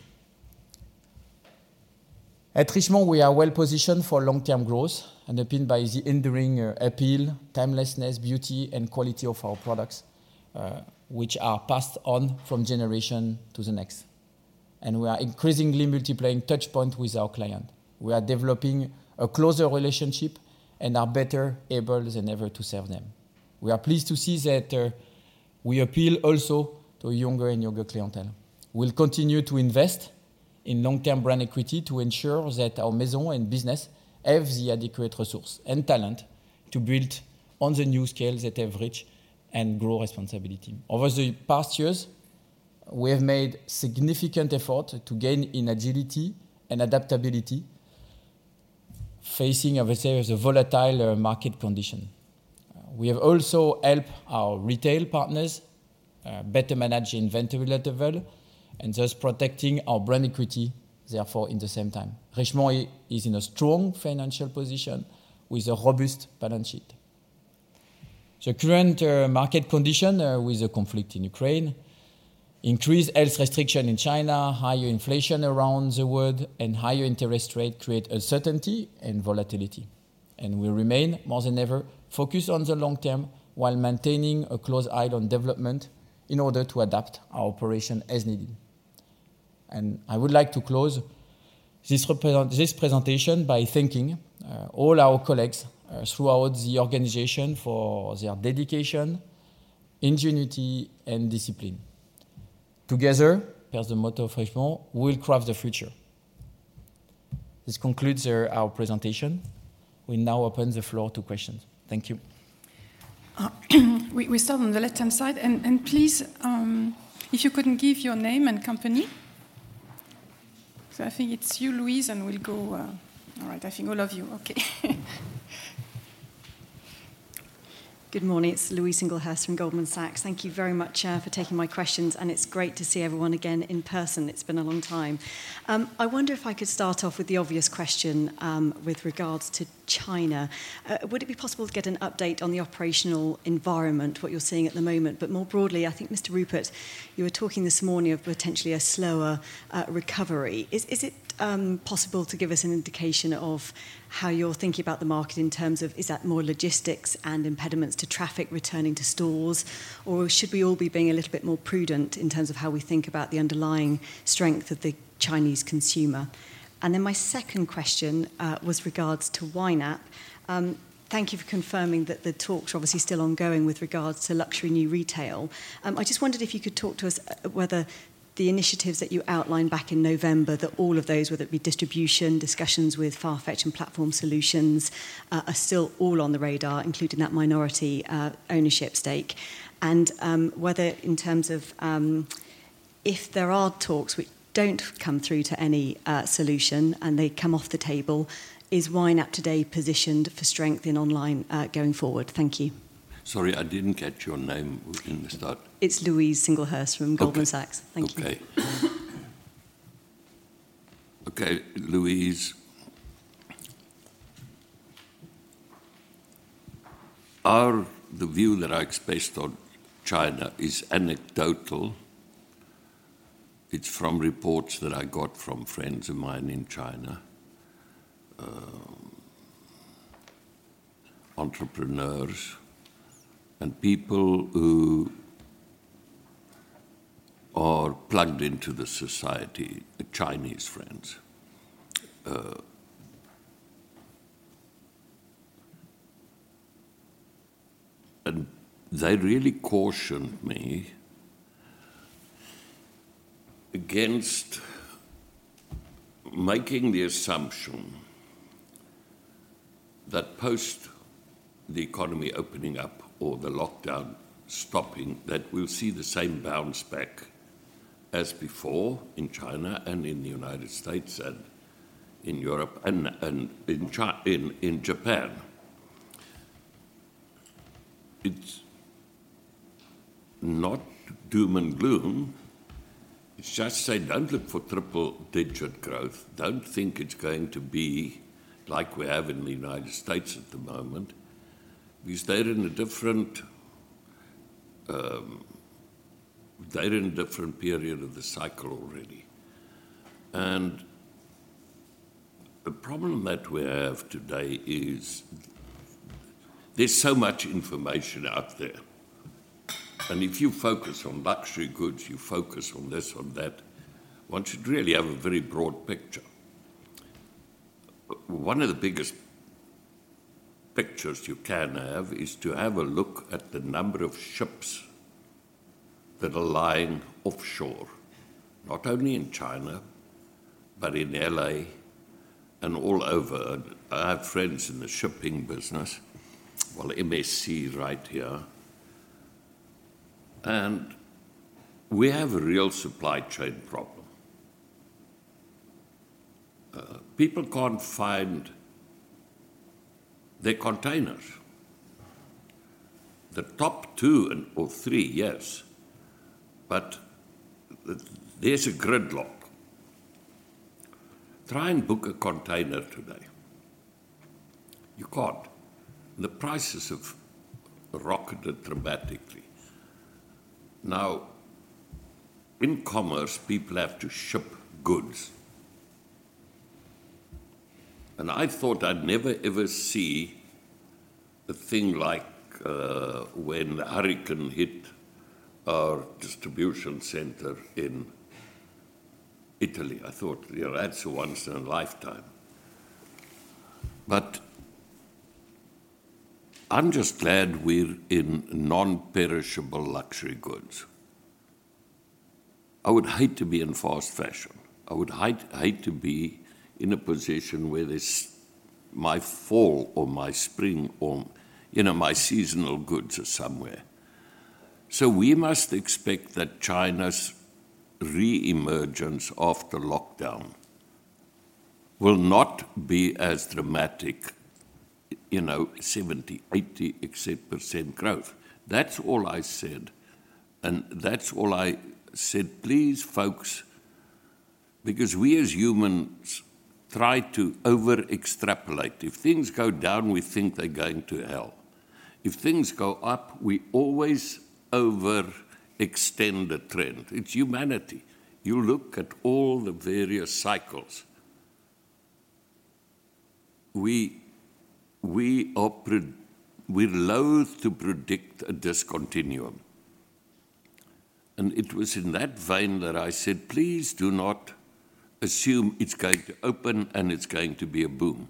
At Richemont, we are well-positioned for long-term growth and underpinned by the enduring appeal, timelessness, beauty, and quality of our products, which are passed on from generation to the next. We are increasingly multiplying touchpoint with our client. We are developing a closer relationship and are better able than ever to serve them. We are pleased to see that we appeal also to a younger and younger clientele. We'll continue to invest in long-term brand equity to ensure that our Maisons and businesses have the adequate resources and talent to build on the new scales that they have reached and grow responsibly. Over the past years, we have made significant efforts to gain in agility and adaptability, facing obviously the volatile market condition. We have also helped our retail partners better manage inventory levels and thus protecting our brand equity therefore in the same time. Richemont is in a strong financial position with a robust balance sheet. The current market condition with the conflict in Ukraine, increased health restrictions in China, higher inflation around the world, and higher interest rates create uncertainty and volatility. We remain more than ever focused on the long term while maintaining a close eye on developments in order to adapt our operations as needed. I would like to close this presentation by thanking all our colleagues throughout the organization for their dedication, ingenuity, and discipline. Together, as the motto of Richemont, we will craft the future. This concludes our presentation. We now open the floor to questions. Thank you. We start on the left-hand side. Please, if you could give your name and company. I think it's you, Louise, and we'll go. All right. I think all of you. Okay. Good morning. It's Louise Singlehurst from Goldman Sachs. Thank you very much for taking my questions, and it's great to see everyone again in person. It's been a long time. I wonder if I could start off with the obvious question, with regards to China. Would it be possible to get an update on the operational environment, what you're seeing at the moment? More broadly, I think, Mr. Rupert, you were talking this morning of potentially a slower recovery. Is it possible to give us an indication of how you're thinking about the market in terms of is that more logistics and impediments to traffic returning to stores, or should we all be being a little bit more prudent in terms of how we think about the underlying strength of the Chinese consumer? My second question was regards to YNAP. Thank you for confirming that the talks are obviously still ongoing with regards to Luxury New Retail. I just wondered if you could talk to us, whether the initiatives that you outlined back in November, that all of those, whether it be distribution, discussions with Farfetch and platform solutions, are still all on the radar, including that minority ownership stake, and, whether in terms of, if there are talks which don't come through to any solution and they come off the table, is YNAP today positioned for strength in online going forward? Thank you. Sorry, I didn't catch your name at the start. It's Louise Singlehurst from Goldman Sachs. Okay. Thank you. Okay. Okay, Louise. The view that I expressed on China is anecdotal. It's from reports that I got from friends of mine in China, entrepreneurs and people who are plugged into the society, Chinese friends. They really cautioned me against making the assumption that post the economy opening up or the lockdown stopping, that we'll see the same bounce back as before in China and in the United States and in Europe and in Japan. It's not doom and gloom. It's just, say, don't look for triple-digit growth. Don't think it's going to be like we have in the United States at the moment. They're in a different period of the cycle already. The problem that we have today is there's so much information out there, and if you focus on luxury goods, you focus on this, on that. One should really have a very broad picture. One of the biggest pictures you can have is to have a look at the number of ships that are lying offshore, not only in China, but in L.A. and all over. I have friends in the shipping business. Well, MSC right here. We have a real supply chain problem. People can't find their containers. The top two and or three, yes, but there's a gridlock. Try and book a container today. You can't. The prices have rocketed dramatically. Now, in commerce, people have to ship goods, and I thought I'd never ever see a thing like, when the hurricane hit our distribution center in Italy. I thought, you know, that's a once in a lifetime. I'm just glad we're in non-perishable luxury goods. I would hate to be in fast fashion. I would hate to be in a position where this, my fall or my spring or, you know, my seasonal goods are somewhere. We must expect that China's reemergence after lockdown will not be as dramatic, you know, 70%, 80% growth. That's all I said, and that's all I said. Please, folks, because we as humans try to over-extrapolate. If things go down, we think they're going to hell. If things go up, we always overextend the trend. It's humanity. You look at all the various cycles. We're loathe to predict a discontinuum, and it was in that vein that I said, "Please do not assume it's going to open and it's going to be a boom."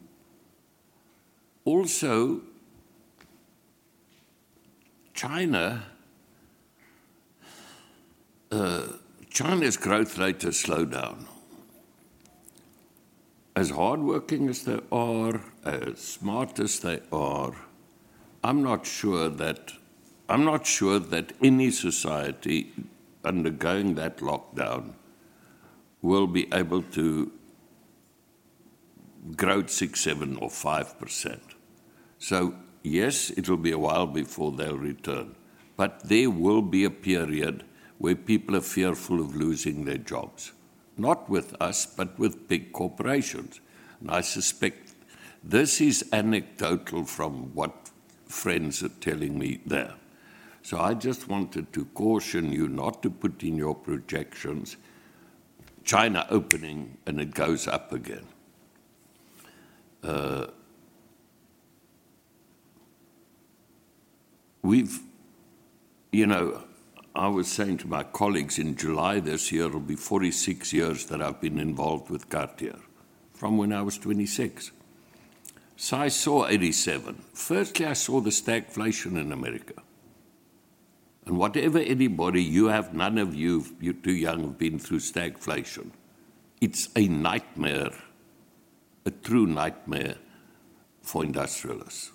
Also, China's growth rate has slowed down. As hardworking as they are, as smart as they are, I'm not sure that any society undergoing that lockdown will be able to grow 6%, 7%, or 5%. Yes, it'll be a while before they'll return, but there will be a period where people are fearful of losing their jobs. Not with us, but with big corporations, and I suspect this is anecdotal from what friends are telling me there. I just wanted to caution you not to put in your projections China opening and it goes up again. You know, I was saying to my colleagues, in July this year, it'll be 46 years that I've been involved with Cartier from when I was 26. I saw 1987. Firstly, I saw the stagflation in America, and whatever anybody— none of you have been through stagflation. You're too young to have been through stagflation. It's a nightmare, a true nightmare for industrialists,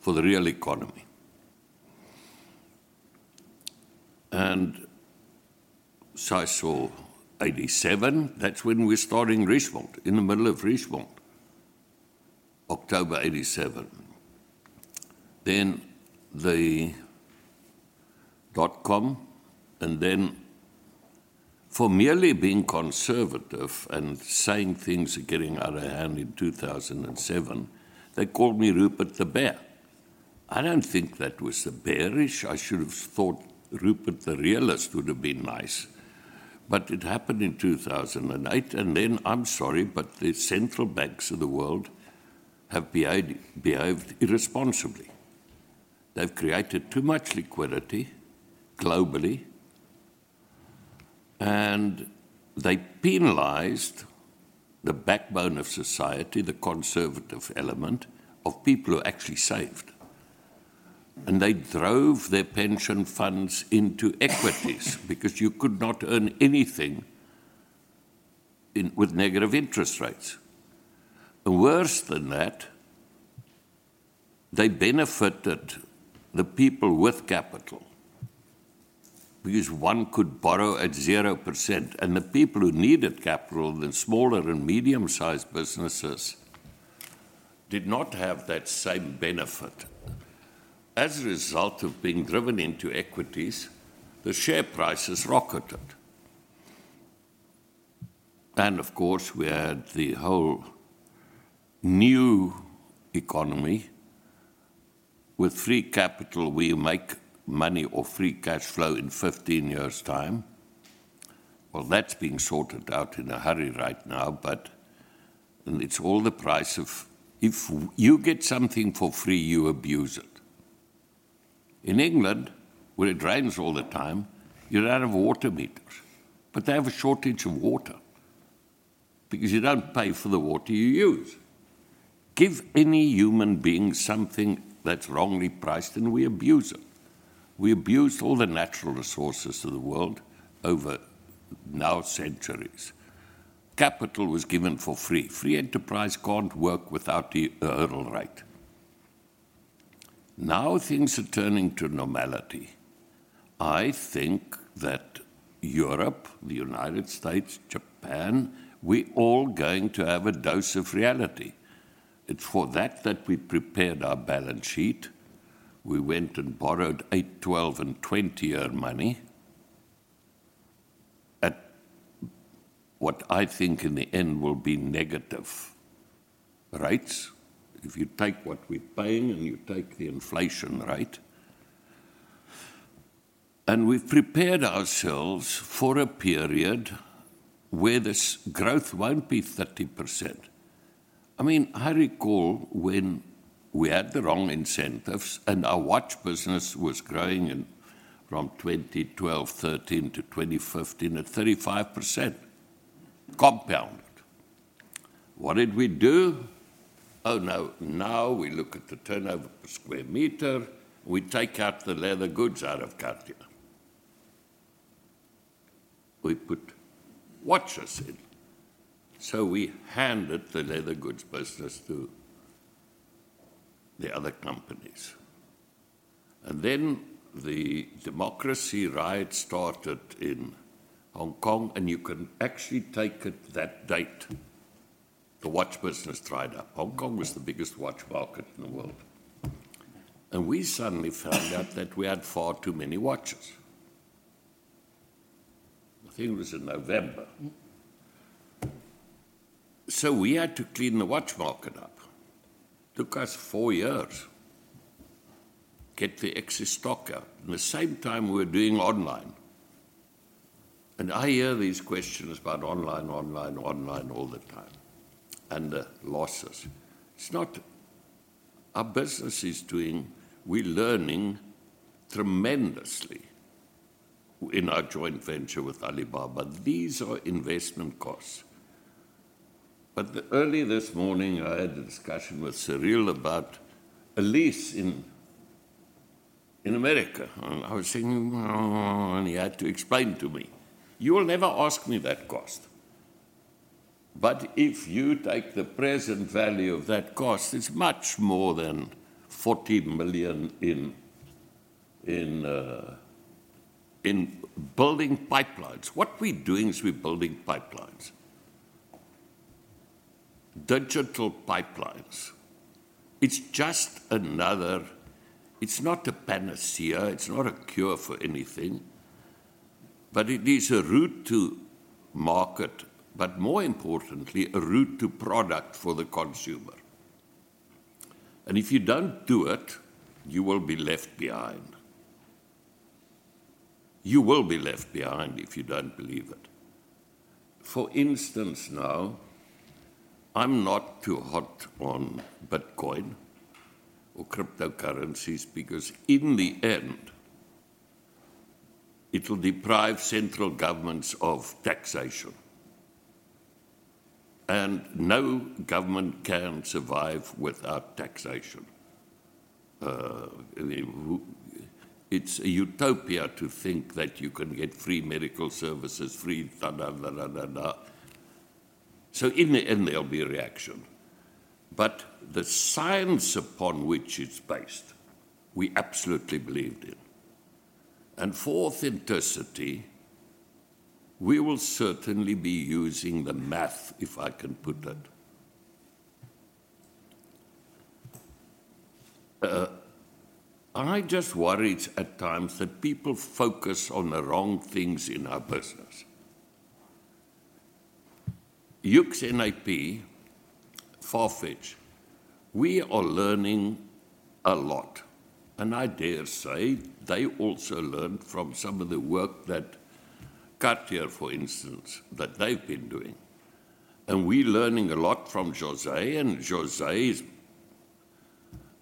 for the real economy. I saw 1987. That's when we started Richemont, in the middle of it, October 1987. Then the dot-com, and then for merely being conservative and saying things are getting out of hand in 2007, they called me Rupert the Bear. I don't think that was so bearish. I should've thought Rupert the Realist would have been nice. It happened in 2008, and then, I'm sorry, but the central banks of the world have behaved irresponsibly. They've created too much liquidity globally, and they penalized the backbone of society, the conservative element of people who actually saved, and they drove their pension funds into equities because you could not earn anything in with negative interest rates. Worse than that, they benefited the people with capital, because one could borrow at 0%, and the people who needed capital, the smaller and medium-sized businesses, did not have that same benefit. As a result of being driven into equities, the share prices rocketed. Of course, we had the whole new economy. With free capital, we make money or free cash flow in 15 years' time. Well, that's being sorted out in a hurry right now. It's all the price. If you get something for free, you abuse it. In England, where it rains all the time, you're out of water meters, but they have a shortage of water. Because you don't pay for the water you use. Give any human being something that's wrongly priced, and we abuse it. We abused all the natural resources of the world over now centuries. Capital was given for free. Free enterprise can't work without the hurdle rate. Now things are turning to normality. I think that Europe, the United States, Japan, we all going to have a dose of reality. It's for that we prepared our balance sheet. We went and borrowed eight-, 12-, and 20-year money at what I think in the end will be negative rates if you take what we're paying, and you take the inflation rate. We've prepared ourselves for a period where this growth won't be 30%. I mean, I recall when we had the wrong incentives, and our watch business was growing in, from 2012, 2013 to 2015 at 35% compound. What did we do? Oh, no. Now we look at the turnover per square meter. We take out the leather goods out of Cartier. We put watches in, so we handed the leather goods business to the other companies. The democracy riot started in Hong Kong, and you can actually take it that date, the watch business dried up. Hong Kong was the biggest watch market in the world. We suddenly found out that we had far too many watches. I think it was in November. We had to clean the watch market up. Took us four years to get the excess stock out. At the same time we were doing online. I hear these questions about online, online all the time, and the losses. It's not. Our business is doing. We're learning tremendously in our joint venture with Alibaba. These are investment costs. Early this morning, I had a discussion with Cyrille about a lease in America, and I was saying, "Mm, oh," and he had to explain to me. You will never ask me that cost, but if you take the present value of that cost, it's much more than 40 million in building pipelines. What we're doing is we're building pipelines, digital pipelines. It's just another—it's not a panacea, it's not a cure for anything, but it is a route to market, but more importantly, a route to product for the consumer. If you don't do it, you will be left behind. You will be left behind if you don't believe it. For instance now, I'm not too hot on Bitcoin or cryptocurrencies because in the end, it will deprive central governments of taxation, and no government can survive without taxation. It's a utopia to think that you can get free medical services. In the end, there'll be a reaction. The science upon which it's based, we absolutely believed in. For authenticity, we will certainly be using the math, if I can put it. I just worried at times that people focus on the wrong things in our business. YOOX NAP, Farfetch, we are learning a lot, and I dare say they also learned from some of the work that Cartier, for instance, that they've been doing. We're learning a lot from José, and José is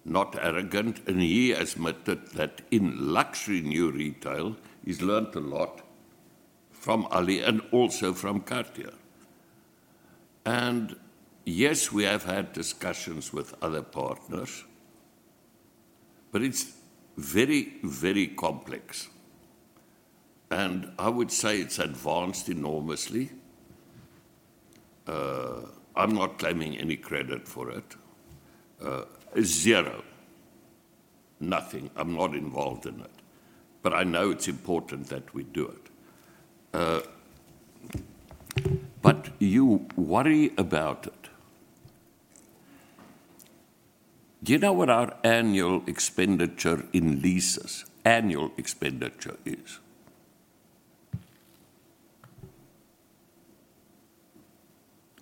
not arrogant, and he admitted that in Luxury New Retail, he's learned a lot from Alibaba and also from Cartier. Yes, we have had discussions with other partners, but it's very, very complex. I would say it's advanced enormously. I'm not claiming any credit for it. Zero. Nothing. I'm not involved in it, but I know it's important that we do it. You worry about it. Do you know what our annual expenditure in leases, annual expenditure is?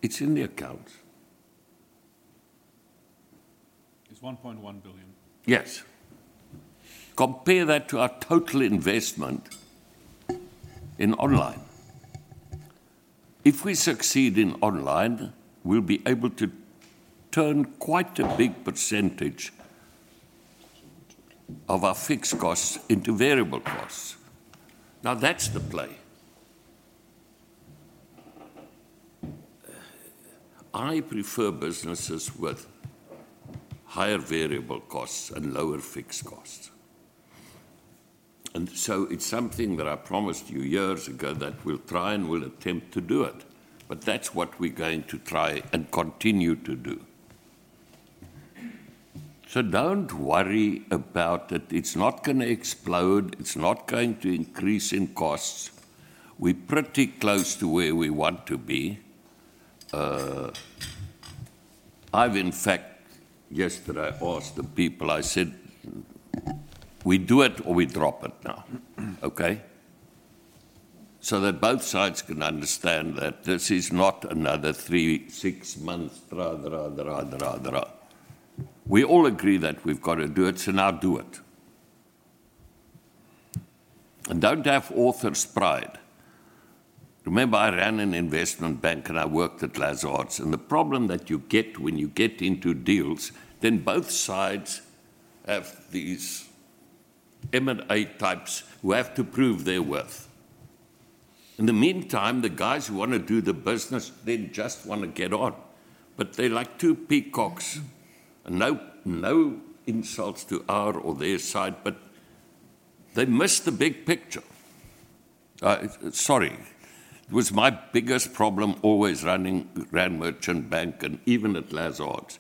It's in the accounts. It's 1.1 billion. Yes. Compare that to our total investment in online. If we succeed in online, we'll be able to turn quite a big percentage of our fixed costs into variable costs. Now that's the play. I prefer businesses with higher variable costs and lower fixed costs. It's something that I promised you years ago that we'll try and we'll attempt to do it, but that's what we're going to try and continue to do. Don't worry about it. It's not gonna explode. It's not going to increase in costs. We're pretty close to where we want to be. I've in fact yesterday asked the people, I said, "We do it or we drop it now, okay?" That both sides can understand that this is not another three, six months, ra, ra, ra. We all agree that we've got to do it, so now do it. Don't have author's pride. Remember I ran an investment bank, and I worked at Lazard, and the problem that you get when you get into deals, then both sides have these M&A types who have to prove their worth. In the meantime, the guys who wanna do the business, they just wanna get on. They're like two peacocks. No, no insults to our or their side, but they miss the big picture. It was my biggest problem always running Rand Merchant Bank and even at Lazard.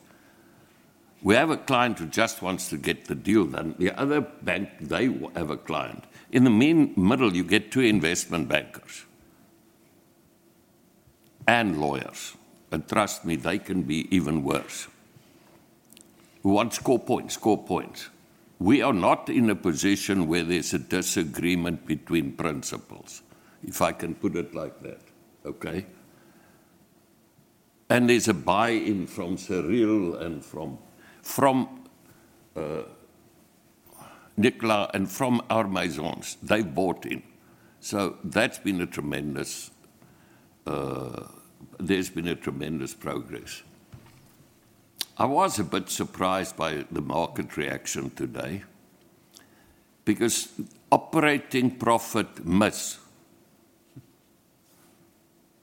We have a client who just wants to get the deal done. The other bank, they have a client. In the middle, you get two investment bankers and lawyers. Trust me, they can be even worse, who want to score points. We are not in a position where there's a disagreement between principals, if I can put it like that, okay? There's a buy-in from Cyrille and from Nicolas and from our Maisons. They bought in. That's been tremendous progress. I was a bit surprised by the market reaction today because operating profit miss,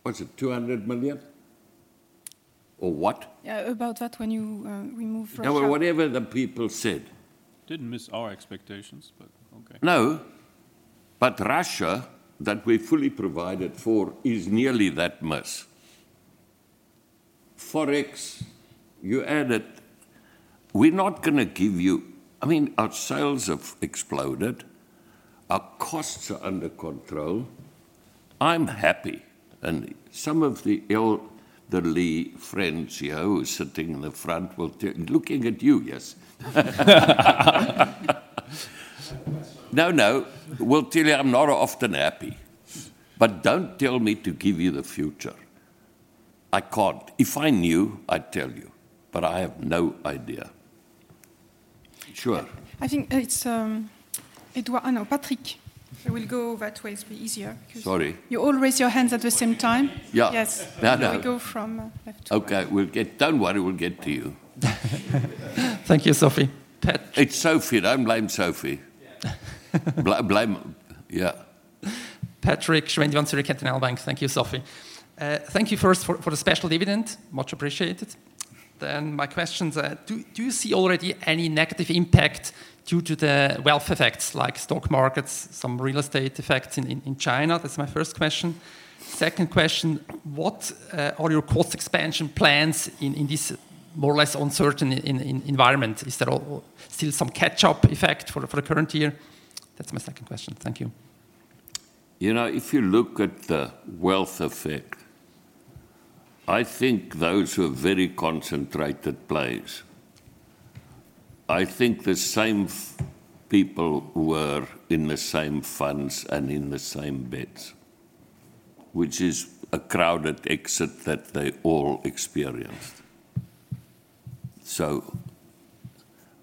was it 200 million or what? Yeah, about that when you, remove China. No, whatever the people said. Didn't miss our expectations, but okay. No, but China, that we fully provided for, is nearly that miss. Forex, you added, we're not gonna give you. I mean, our sales have exploded. Our costs are under control. I'm happy. Some of the elderly friends here who are sitting in the front will tell. Looking at you, yes. No, no. I'll tell you I'm not often happy. Don't tell me to give you the future. I can't. If I knew, I'd tell you, but I have no idea. Sure. I think it's Patrik. We will go that way. It'll be easier because— Sorry. You all raised your hands at the same time. Yeah. Yes. No, no. We go from left to right. Okay. Don't worry, we'll get to you. Thank you, Sophie. It's Sophie. Don't blame Sophie. Blame, yeah. Patrik Schwendimann, Zürcher Kantonalbank. Thank you, Sophie. Thank you first for the special dividend. Much appreciated. My questions are, do you see already any negative impact due to the wealth effects like stock markets, some real estate effects in China? That's my first question. Second question, what are your cost expansion plans in this more or less uncertain environment? Is there still some catch-up effect for the current year? That's my second question. Thank you. You know, if you look at the wealth effect, I think those were very concentrated plays. I think the same people were in the same funds and in the same bets, which is a crowded exit that they all experienced.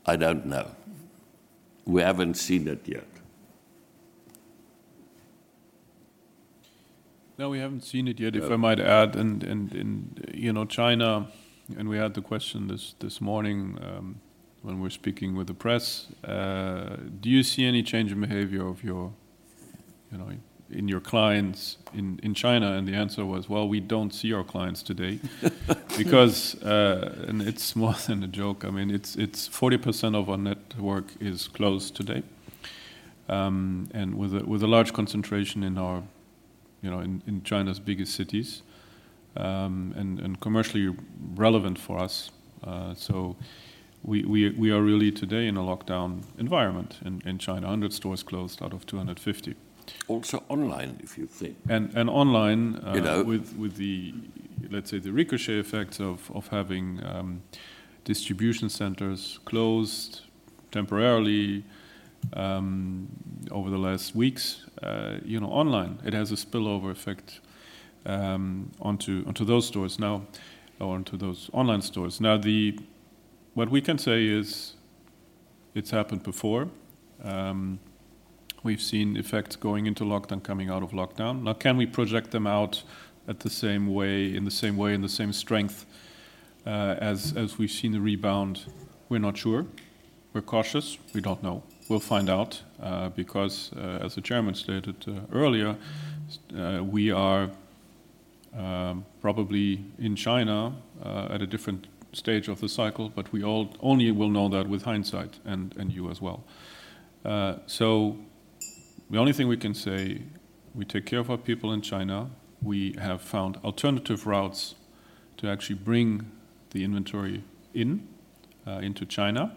I don't know. We haven't seen that yet. No, we haven't seen it yet. No. If I might add, you know, China, and we had the question this morning, when we were speaking with the press, "Do you see any change in behavior of your, you know, in your clients in China?" The answer was, "Well, we don't see our clients today." Because it's more than a joke. I mean, it's 40% of our network is closed today, and with a large concentration in our, you know, in China's biggest cities, and commercially relevant for us. So we are really today in a lockdown environment in China: 100 stores closed out of 250. Also online, if you think. And, and online— You know. With the, let's say, the ricochet effects of having distribution centers closed temporarily over the last weeks, you know, online, it has a spillover effect onto those stores now or onto those online stores. What we can say is it's happened before. We've seen effects going into lockdown, coming out of lockdown. Now, can we project them out in the same way, in the same strength, as we've seen the rebound? We're not sure. We're cautious. We don't know. We'll find out, because as the Chairman stated earlier, we are probably in China at a different stage of the cycle, but we all only will know that with hindsight and you as well. The only thing we can say, we take care of our people in China. We have found alternative routes to actually bring the inventory in, into China,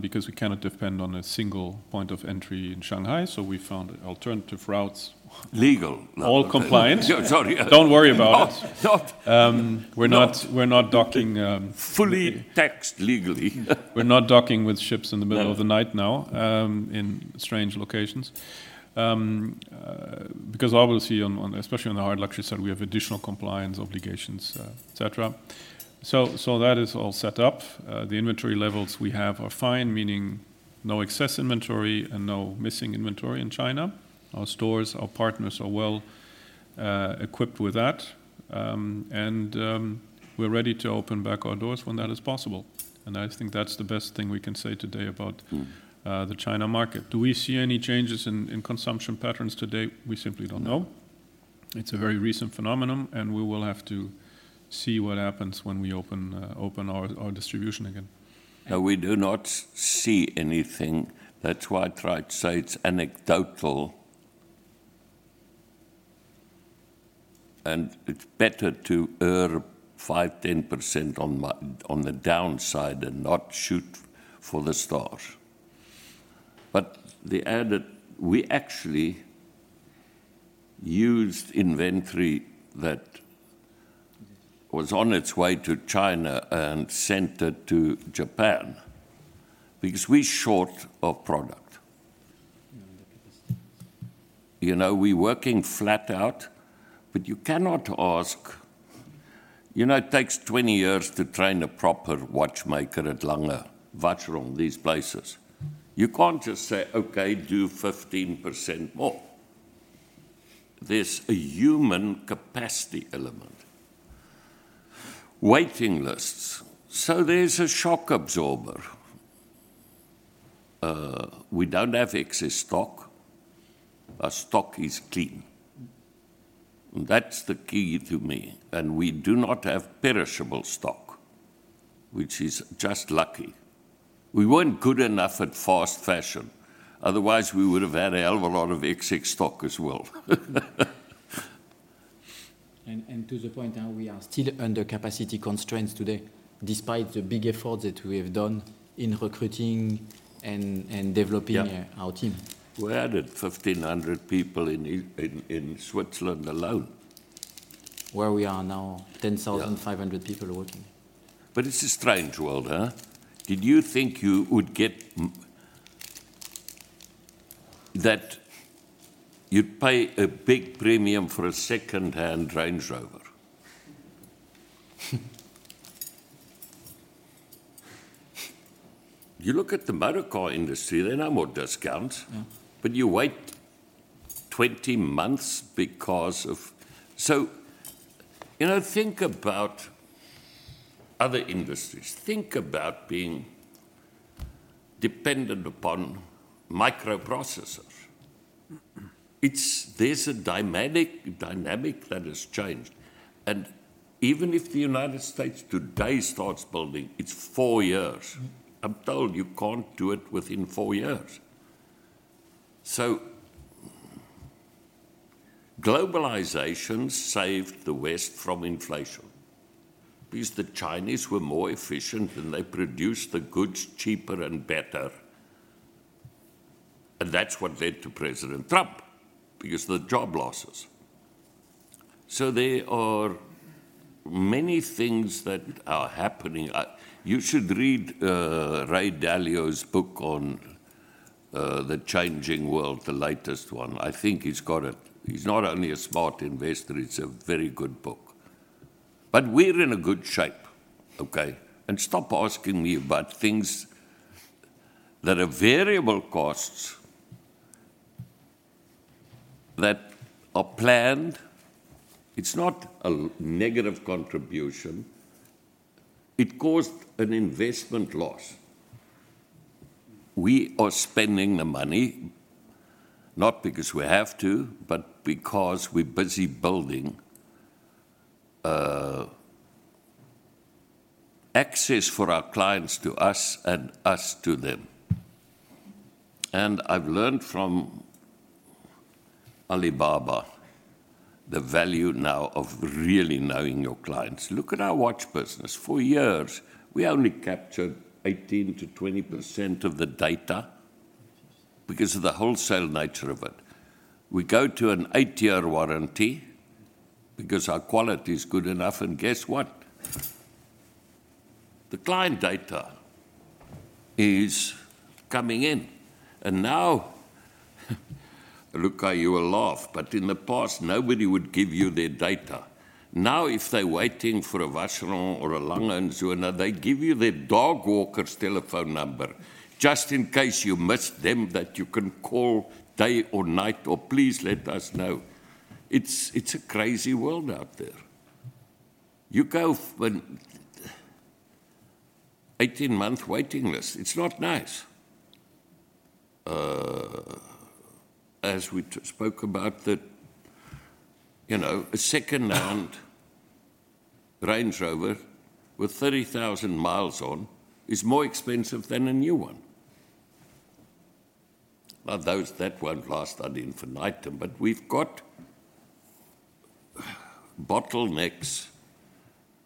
because we cannot depend on a single point of entry in Shanghai. We found alternative routes. Legal. All compliant. Yeah, sorry. Don't worry about it. Not, not— We're not docking. Fully taxed legally. We're not docking with ships in the middle of the night now in strange locations. Because obviously on, especially on the hard luxury side, we have additional compliance obligations, et cetera. So that is all set up. The inventory levels we have are fine, meaning no excess inventory and no missing inventory in China. Our stores, our partners are well equipped with that, and we're ready to open back our doors when that is possible. I think that's the best thing we can say today about the China market. Do we see any changes in consumption patterns today? We simply don't know. It's a very recent phenomenon, and we will have to see what happens when we open our distribution again. Now, we do not see anything. That's why I tried to say it's anecdotal. It's better to err 5%-10% on the downside and not shoot for the stars. Additionally, we actually used inventory that was on its way to China and sent it to Japan because we short of product. You know, we working flat out, but you cannot ask. You know, it takes 20 years to train a proper watchmaker at Lange, Vacheron, these places. You can't just say, "Okay, do 15% more." There's a human capacity element. Waiting lists. There's a shock absorber. We don't have excess stock. Our stock is clean. That's the key to me. We do not have perishable stock, which is just lucky. We weren't good enough at fast fashion, otherwise we would have had a hell of a lot of excess stock as well. To the point now, we are still under capacity constraints today, despite the big effort that we have done in recruiting and developing our team. Yeah. We added 1,500 people in Switzerland alone. Where we are now 10,500 people working. It's a strange world, huh? Did you think you would get that you'd pay a big premium for a secondhand Range Rover? You look at the motor car industry, there are no more discounts. You wait 20 months because of—so, you know, think about other industries. Think about being dependent upon microprocessors. There's a dynamic that has changed. Even if the United States today starts building, it's four years. I'm told you can't do it within four years. Globalization saved the West from inflation because the Chinese were more efficient, and they produced the goods cheaper and better. That's what led to President Trump, because the job losses. There are many things that are happening. You should read Ray Dalio's book on the changing world, the latest one. I think he's not only a smart investor, it's a very good book. We're in a good shape, okay? Stop asking me about things that are variable costs, that are planned. It's not a negative contribution. It caused an investment loss. We are spending the money not because we have to, but because we're busy building access for our clients to us and us to them. I've learned from Alibaba the value now of really knowing your clients. Look at our watch business. For years, we only captured 18%-20% of the data because of the wholesale nature of it. We go to an eight-year warranty because our quality is good enough, and guess what? The client data is coming in. Now, look, you will laugh, but in the past, nobody would give you their data. Now, if they're waiting for a Vacheron or a Lange and so on, they give you their dog walker's telephone number just in case you miss them, that you can call day or night or "Please, let us know." It's a crazy world out there. You go when 18-month waiting list, it's not nice. As we spoke about that, you know, a second-hand Range Rover with 30,000 mi on is more expensive than a new one. That won't last ad infinitum, but we've got bottlenecks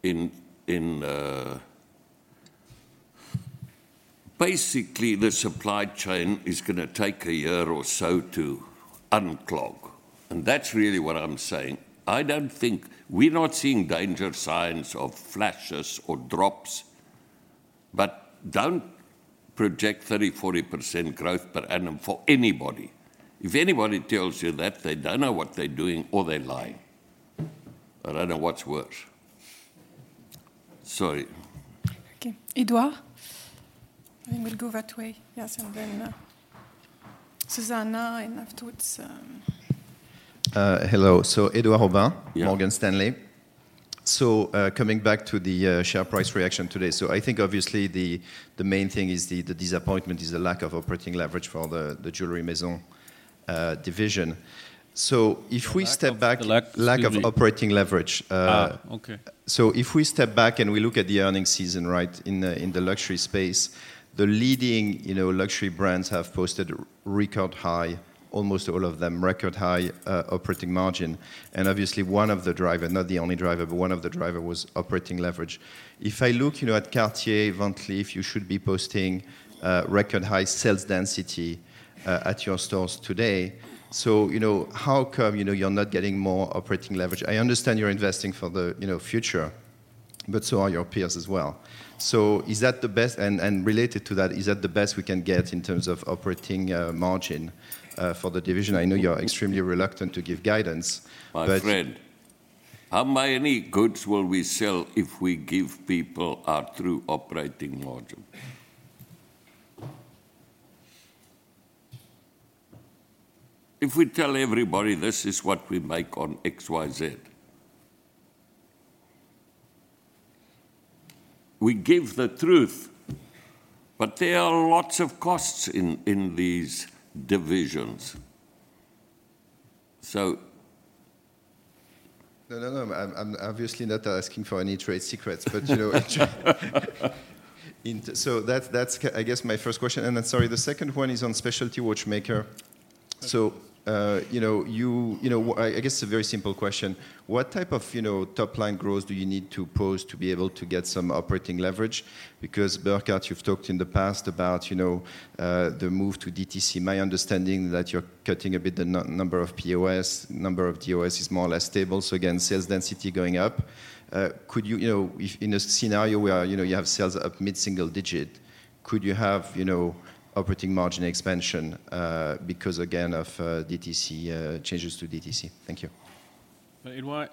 in the supply chain. Basically, the supply chain is gonna take a year or so to unclog, and that's really what I'm saying. I don't think—we're not seeing danger signs of flashes or drops, but don't project 30%, 40% growth per annum for anybody. If anybody tells you that, they don't know what they're doing or they're lying. I don't know what's worse. Sorry. Okay. Edouard. We'll go that way. Yes, Zuzanna, and afterwards. Hello. Edouard Aubin, Morgan Stanley. Coming back to the share price reaction today. I think obviously the main thing is the disappointment is the lack of operating leverage for the Jewellery Maisons division. If we step back— The lack of, excuse me. Lack of operating leverage. Okay. If we step back and we look at the earnings season, right, in the luxury space, the leading luxury brands have posted record high, almost all of them, record-high operating margin. Obviously one of the driver, not the only driver, but one of the driver was operating leverage. If I look at Cartier, Van Cleef & Arpels, you should be posting record high sales density at your stores today. How come you're not getting more operating leverage? I understand you're investing for the future, but so are your peers as well. Is that the best, and related to that, is that the best we can get in terms of operating margin for the division? I know you're extremely reluctant to give guidance, but— My friend, how many goods will we sell if we give people our true operating margin? If we tell everybody this is what we make on X, Y, Z. We give the truth, but there are lots of costs in these divisions. No, I'm obviously not asking for any trade secrets, but you know, I guess my first question. Sorry, the second one is on Specialist Watchmakers. Okay. You know, I guess a very simple question. What type of top-line growth do you need to post to be able to get some operating leverage? Because, Burkhart, you've talked in the past about, you know, the move to DTC. My understanding that you're cutting a bit the number of POS, number of POS is more or less stable, so again, sales density going up. Could you know, if in a scenario where, you know, you have sales up mid-single-digit, could you have, you know, operating margin expansion, because again of DTC, changes to DTC? Thank you. Edouard,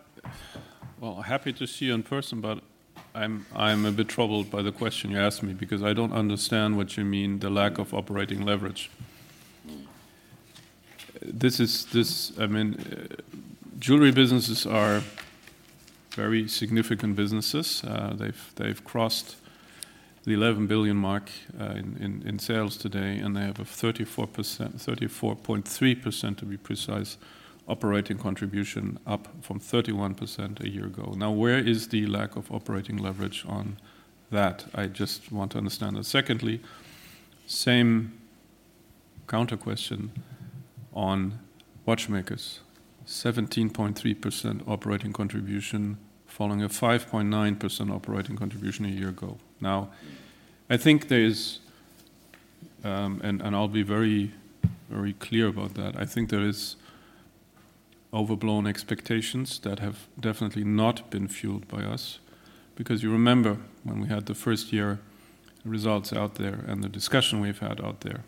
well, happy to see you in person, but I'm a bit troubled by the question you asked me because I don't understand what you mean, the lack of operating leverage. This, I mean, jewellery businesses are very significant businesses. They've crossed the 11 billion mark in sales today, and they have a 34%, 34.3% to be precise, operating contribution, up from 31% a year ago. Now, where is the lack of operating leverage on that? I just want to understand that. Secondly, same counter question on Watchmakers. 17.3% operating contribution following a 5.9% operating contribution a year ago. Now, I think there is—and I'll be very clear about that—I think there are overblown expectations that have definitely not been fueled by us, because you remember when we had the first year results out there and the discussion we've had out there,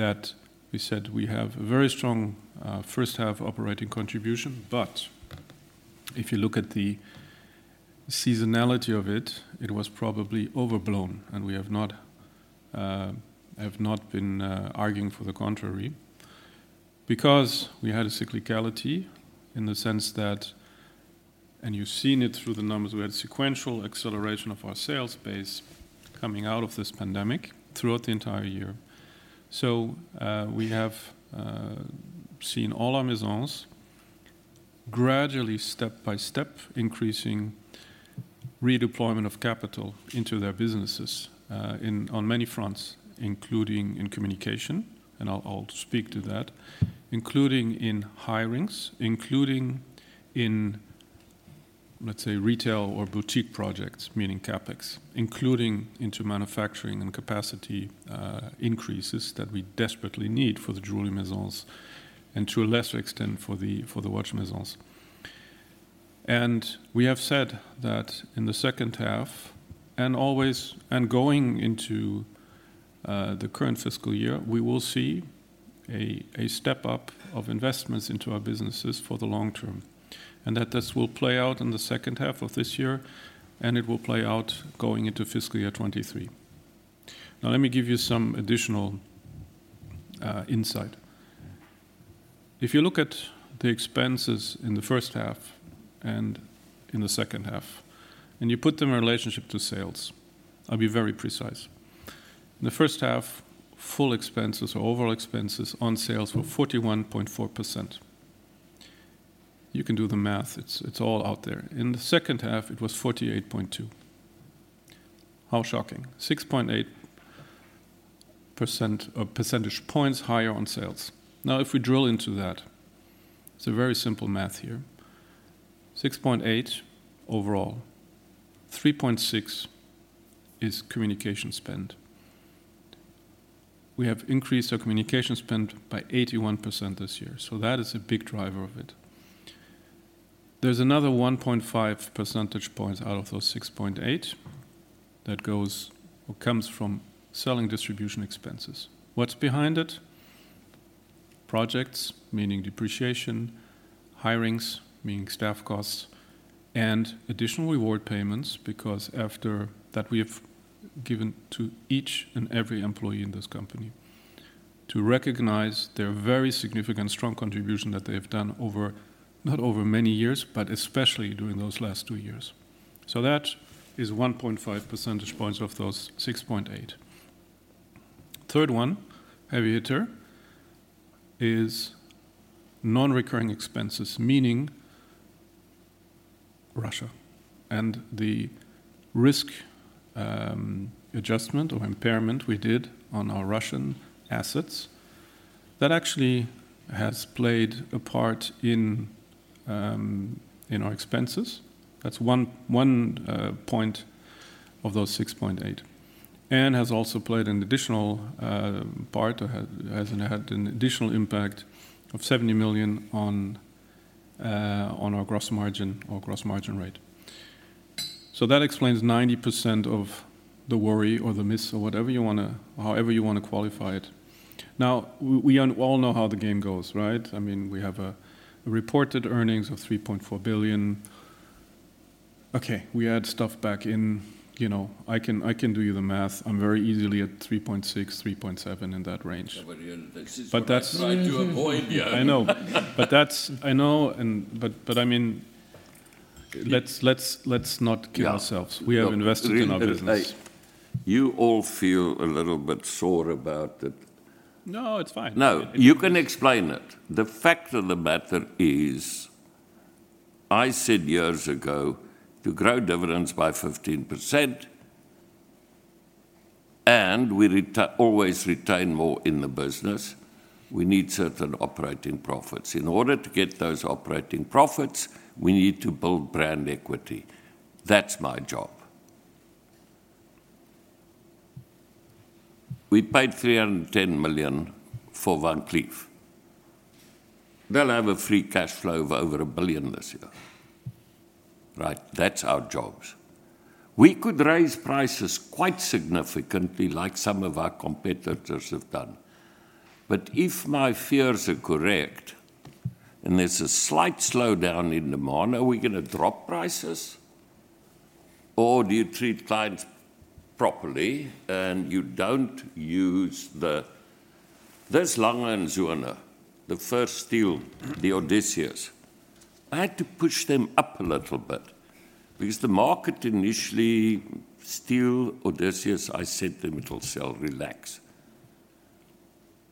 that we said we have a very strong, first half operating contribution. If you look at the seasonality of it was probably overblown, and we have not been arguing for the contrary because we had a cyclicality in the sense that, and you've seen it through the numbers, we had sequential acceleration of our sales base coming out of this pandemic throughout the entire year. We have seen all our Maisons gradually, step by step, increasing redeployment of capital into their businesses on many fronts, including in communication, and I'll speak to that, including in hirings, including, let's say, retail or boutique projects, meaning CapEx, including into manufacturing and capacity increases that we desperately need for the Jewellery Maisons and to a lesser extent for the watch Maisons. We have said that in the second half and always and going into the current fiscal year, we will see a step-up of investments into our businesses for the long term, and that this will play out in the second half of this year, and it will play out going into fiscal year 2023. Now, let me give you some additional insight. If you look at the expenses in the first half and in the second half, and you put them in relationship to sales, I'll be very precise. In the first half, full expenses or overall expenses on sales were 41.4%. You can do the math. It's all out there. In the second half, it was 48.2%. How shocking, 6.8 percentage points higher on sales. Now, if we drill into that, it's a very simple math here: 6.8 percentage points overall, 3.6 percentage points is communication spend. We have increased our communication spend by 81 percentage points this year, so that is a big driver of it. There's another 1.5 percentage points out of those 6.8 percentage points that goes or comes from selling distribution expenses. What's behind it? Projects, meaning depreciation, hirings, meaning staff costs, and additional reward payments because after that we have given to each and every employee in this company to recognize their very significant strong contribution that they have done, not over many years, but especially during those last two years. So that is 1.5 percentage points of those 6.8 percentage points. Third one, the other, is non-recurring expenses, meaning Russia and the risk adjustment or impairment we did on our Russian assets. That actually has played a part in our expenses. That's one point of those 6.8 percentage points, and has also played an additional part or hasn't had an additional impact of 70 million on our gross margin or gross margin rate. That explains 90% of the worry or the miss or whatever you wanna, however you wanna qualify it. Now, we all know how the game goes, right? I mean, we have reported earnings of 3.4 billion. Okay, we add stuff back in. You know, I can do you the math. I'm very easily at 3.6 billion, 3.7 billion, in that range. This is what I try to avoid. I know. I mean, let's not kill ourselves. Yeah. We have invested in our business. You all feel a little bit sore about it. No, it's fine. No, you can explain it. The fact of the matter is, I said years ago, to grow dividends by 15%, and we always retain more in the business. We need certain operating profits. In order to get those operating profits, we need to build brand equity. That's my job. We paid 310 million for Van Cleef. They'll have a free cash flow of over 1 billion this year, right? That's our jobs. We could raise prices quite significantly like some of our competitors have done. But if my fears are correct, and there's a slight slowdown in demand, are we gonna drop prices? Or do you treat clients properly and you don't use the A. Lange & Söhne, the first steel, the ODYSSEUS. I had to push them up a little bit because the market initially, steel ODYSSEUS, I said to them, "It'll sell,r elax."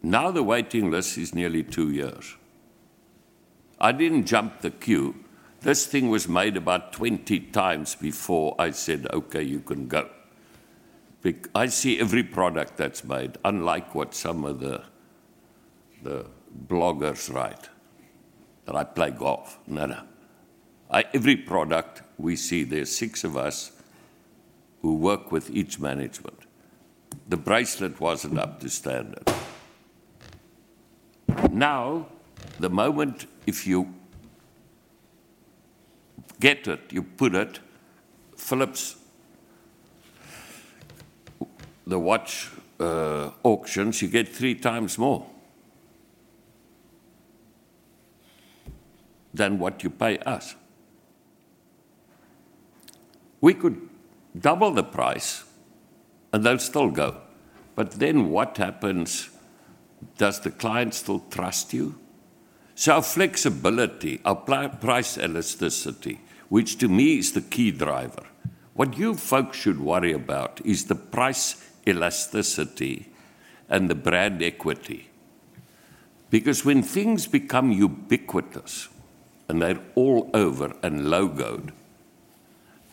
Now, the waiting list is nearly two years. I didn't jump the queue. This thing was made about 20 times before I said, "Okay, you can go." I see every product that's made, unlike what some of the bloggers write, that I play golf. No, no. Every product we see, there's six of us who work with each management. The bracelet wasn't up to standard. Now, the moment if you get it, you put it, Phillips, the watch auctions, you get 3x more than what you pay us. We could double the price and they'll still go. What happens? Does the client still trust you? Our flexibility, our price elasticity, which to me is the key driver. What you folks should worry about is the price elasticity and the brand equity. Because when things become ubiquitous, and they're all over and logoed,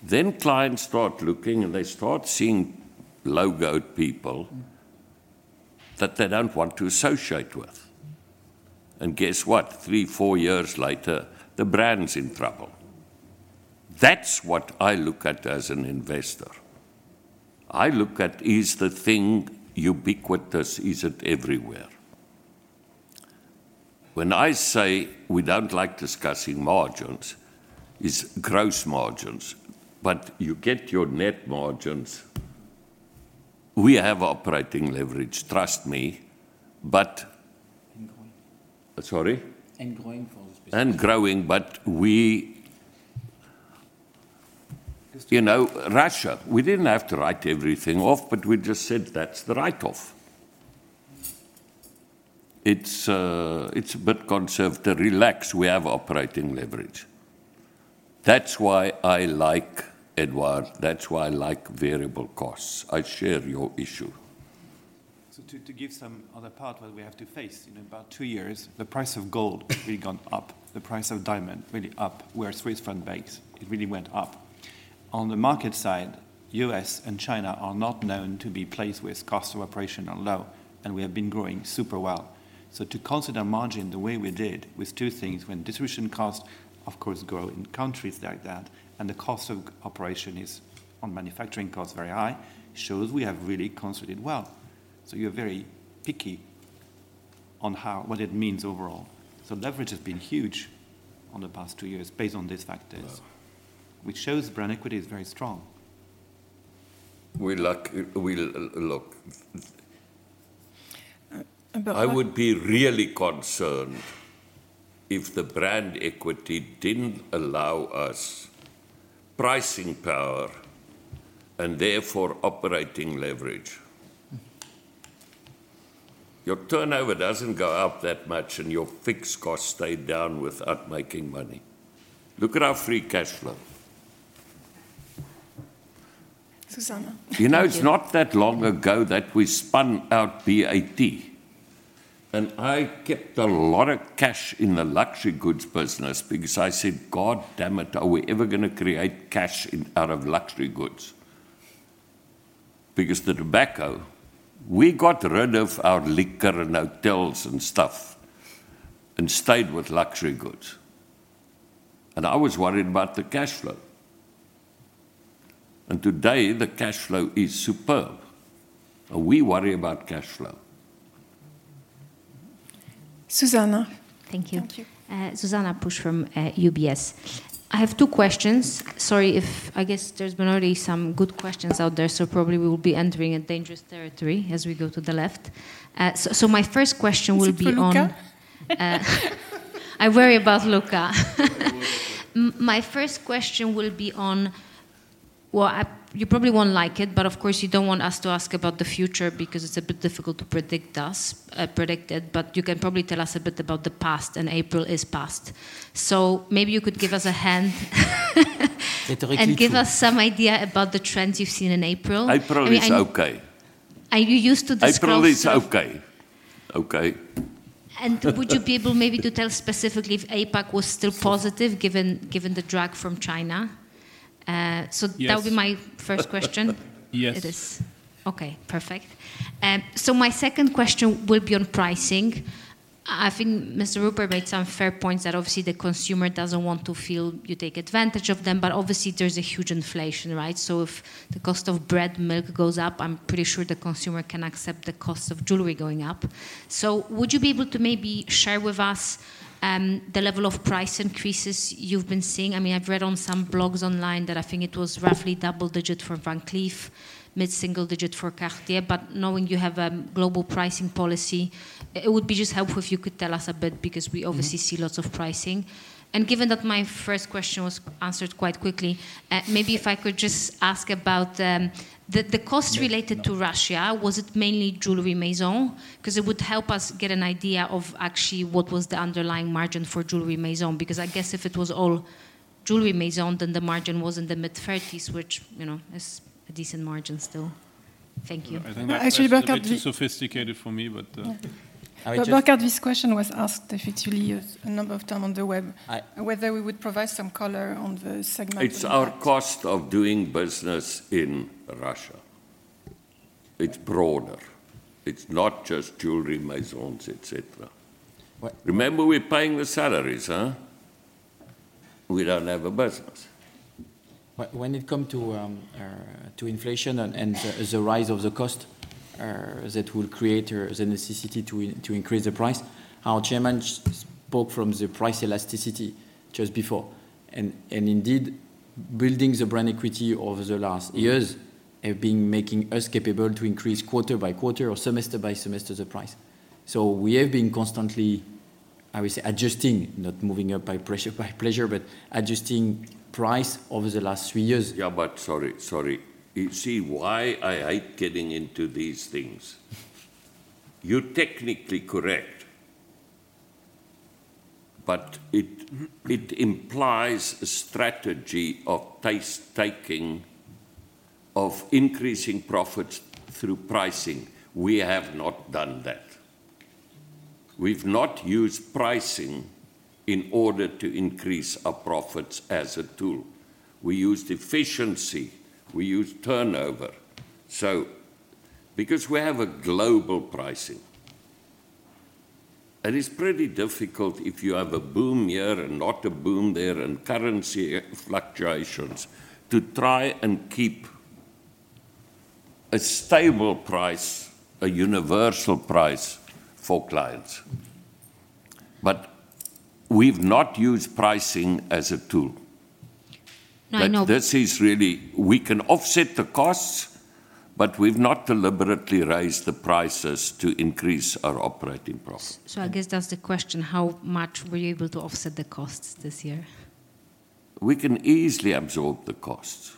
then clients start looking, and they start seeing logoed people that they don't want to associate with. Guess what? Three, four years later, the brand's in trouble. That's what I look at as an investor. I look at, is the thing ubiquitous? Is it everywhere? When I say we don't like discussing margins, it's gross margins, but you get your net margins. We have operating leverage, trust me, but— Growing. Sorry? And growing for this business. And growing, but we—you know, Russia, we didn't have to write everything off, but we just said that's the write-off. It's a bit conservative. Relax, we have operating leverage. That's why I like, Edouard. That's why I like variable costs. I share your issue. Just to give some other part what we have to face, you know, in about two years, the price of gold really gone up, the price of diamonds really up. We're Swiss franc based, it really went up. On the market side, U.S. and China are not known to be places with cost of operation are low, and we have been growing super well. To consider margin the way we did with two things, when distribution costs of course grow in countries like that and the cost of operation is, on manufacturing costs, very high, shows we have really considered well. You're very picky on how, what it means overall. Leverage has been huge over the past two years based on these factors which shows brand equity is very strong. Look— But— I would be really concerned if the brand equity didn't allow us pricing power and therefore operating leverage. Your turnover doesn't go up that much and your fixed costs stay down without making money. Look at our free cash flow. Zuzanna. You know, it's not that long ago that we spun out BAT, and I kept a lot of cash in the luxury goods business because I said, "Goddammit, are we ever gonna create cash out of luxury goods?" Because the tobacco, we got rid of our liquor and hotels and stuff and stayed with luxury goods, and I was worried about the cash flow, and today the cash flow is superb. We worry about cash flow. Zuzanna. Thank you. Thank you. Zuzanna Pusz from UBS. I have two questions. Sorry if, I guess there's been already some good questions out there, so probably we'll be entering a dangerous territory as we go to the left. My first question will be on— Is it for Luca? I worry about Luca. My first question will be on—well, you probably won't like it—but of course you don't want us to ask about the future because it's a bit difficult to predict it, but you can probably tell us a bit about the past, and April is past. Maybe you could give us a hand and give us some idea about the trends you've seen in April. April is okay. Are you used to discuss— April is okay. Okay? Would you be able maybe to tell specifically if APAC was still positive given the drag from China? Yes. Would be my first question. Yes. It is. Okay, perfect. My second question will be on pricing. I think Mr. Rupert made some fair points that obviously the consumer doesn't want to feel you take advantage of them, but obviously there's a huge inflation, right? If the cost of bread, milk goes up, I'm pretty sure the consumer can accept the cost of jewellery going up. Would you be able to maybe share with us the level of price increases you've been seeing? I mean, I've read on some blogs online that I think it was roughly double-digit% for Van Cleef, mid-single-digit for Cartier, but knowing you have a global pricing policy, it would be just helpful if you could tell us a bit because we obviously see lots of pricing. Given that my first question was answered quite quickly, maybe if I could just ask about the costs related to China, was it mainly Jewellery Maisons? Because it would help us get an idea of actually what was the underlying margin for Jewellery Maisons, because I guess if it was all Jewellery Maisons, then the margin was in the mid-30s, which, you know, is a decent margin still. Thank you. I think that question is a bit too sophisticated for me, but. I just— This question was asked effectively a number of times on the web. Whether we would provide some color on the segment impact? It's our cost of doing business in China. It's broader. It's not just Jewellery Maisons, et cetera. But— Remember we're paying the salaries, huh? We don't have a business. When it come to inflation and the rise of the cost, that will create the necessity to increase the price, our chairman spoke on the price elasticity just before, and indeed, building the brand equity over the last years have been making us capable to increase quarter by quarter or semester by semester the price. We have been constantly, I would say, adjusting, not moving up by pressure, by pleasure, but adjusting price over the last three years. Yeah, sorry. You see why I hate getting into these things? You're technically correct, but it implies a strategy of price taking, of increasing profits through pricing. We have not done that. We've not used pricing in order to increase our profits as a tool. We used efficiency. We used turnover. Because we have a global pricing, it is pretty difficult if you have a boom here and not a boom there and currency fluctuations to try and keep a stable price, a universal price for clients. We've not used pricing as a tool. No, I know. This is really, we can offset the costs, but we've not deliberately raised the prices to increase our operating profit. I guess that's the question, how much were you able to offset the costs this year? We can easily absorb the costs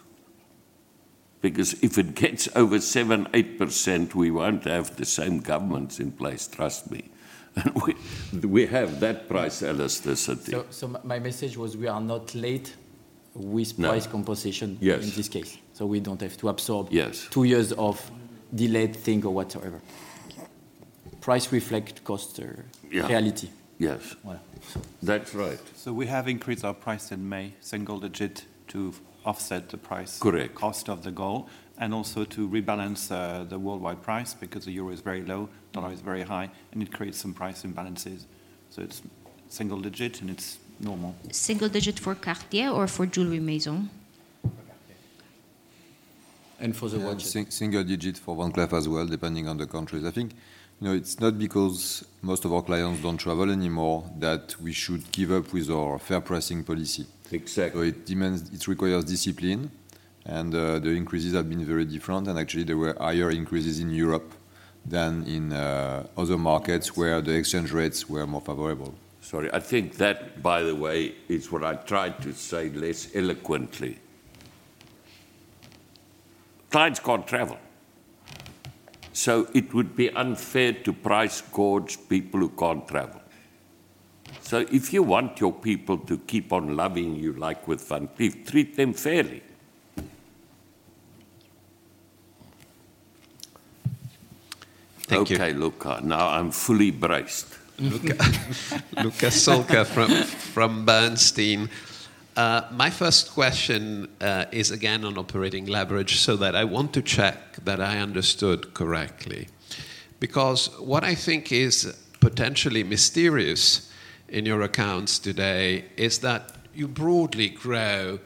because if it gets over 7%-8%, we won't have the same governments in place, trust me. We have that price elasticity. My message was we are not late with price composition in this case. We don't have to absorb two years of delayed thing or whatsoever. Prices reflect costs or reality. Yes. Well. That's right. We have increased our price in May, single digit, to offset the price. Correct. Cost of the gold and also to rebalance the worldwide price because the euro is very low, dollar is very high, and it creates some price imbalances. It's single digit, and it's normal. Single digit for Cartier or for Jewellery Maisons? For Cartier. Yeah, single-digit for Van Cleef as well, depending on the countries. I think, you know, it's not because most of our clients don't travel anymore that we should give up with our fair pricing policy. Exactly. It demands, it requires discipline, and the increases have been very different. Actually, there were higher increases in Europe than in other markets where the exchange rates were more favorable. Sorry, I think that, by the way, is what I tried to say less eloquently. Clients can't travel, so it would be unfair to price gouge people who can't travel. If you want your people to keep on loving you like with Van Cleef, treat them fairly. Okay, Luca. Now I'm fully braced. Luca Solca from Bernstein. My first question is again on operating leverage, so that I want to check that I understood correctly. Because what I think is potentially mysterious in your accounts today is that you broadly grow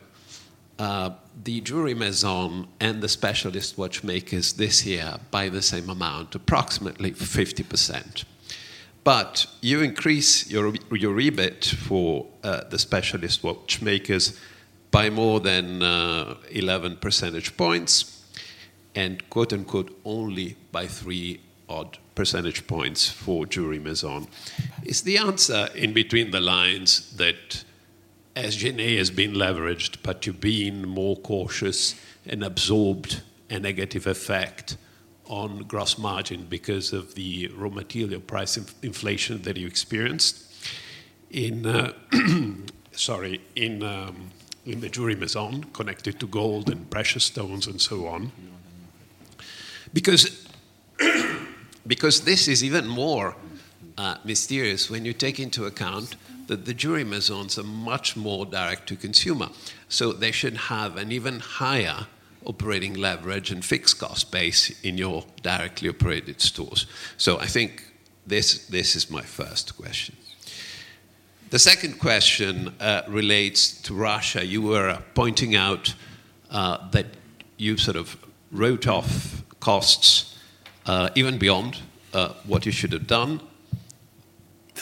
the Jewellery Maisons and the Specialist Watchmakers this year by the same amount, approximately 50%. But you increase your EBIT for the Specialist Watchmakers by more than 11 percentage points and, quote unquote, "only by 3-odd percentage points" for Jewellery Maisons. Is the answer in between the lines that SG&A has been leveraged, but you're being more cautious and absorbed a negative effect on gross margin because of the raw material price inflation that you experienced in the Jewellery Maisons connected to gold and precious stones and so on? Because this is even more mysterious when you take into account that the Jewellery Maisons are much more direct to consumer, so they should have an even higher operating leverage and fixed cost base in your directly operated stores. I think this is my first question. The second question relates to Russia. You were pointing out that you sort of wrote off costs even beyond what you should have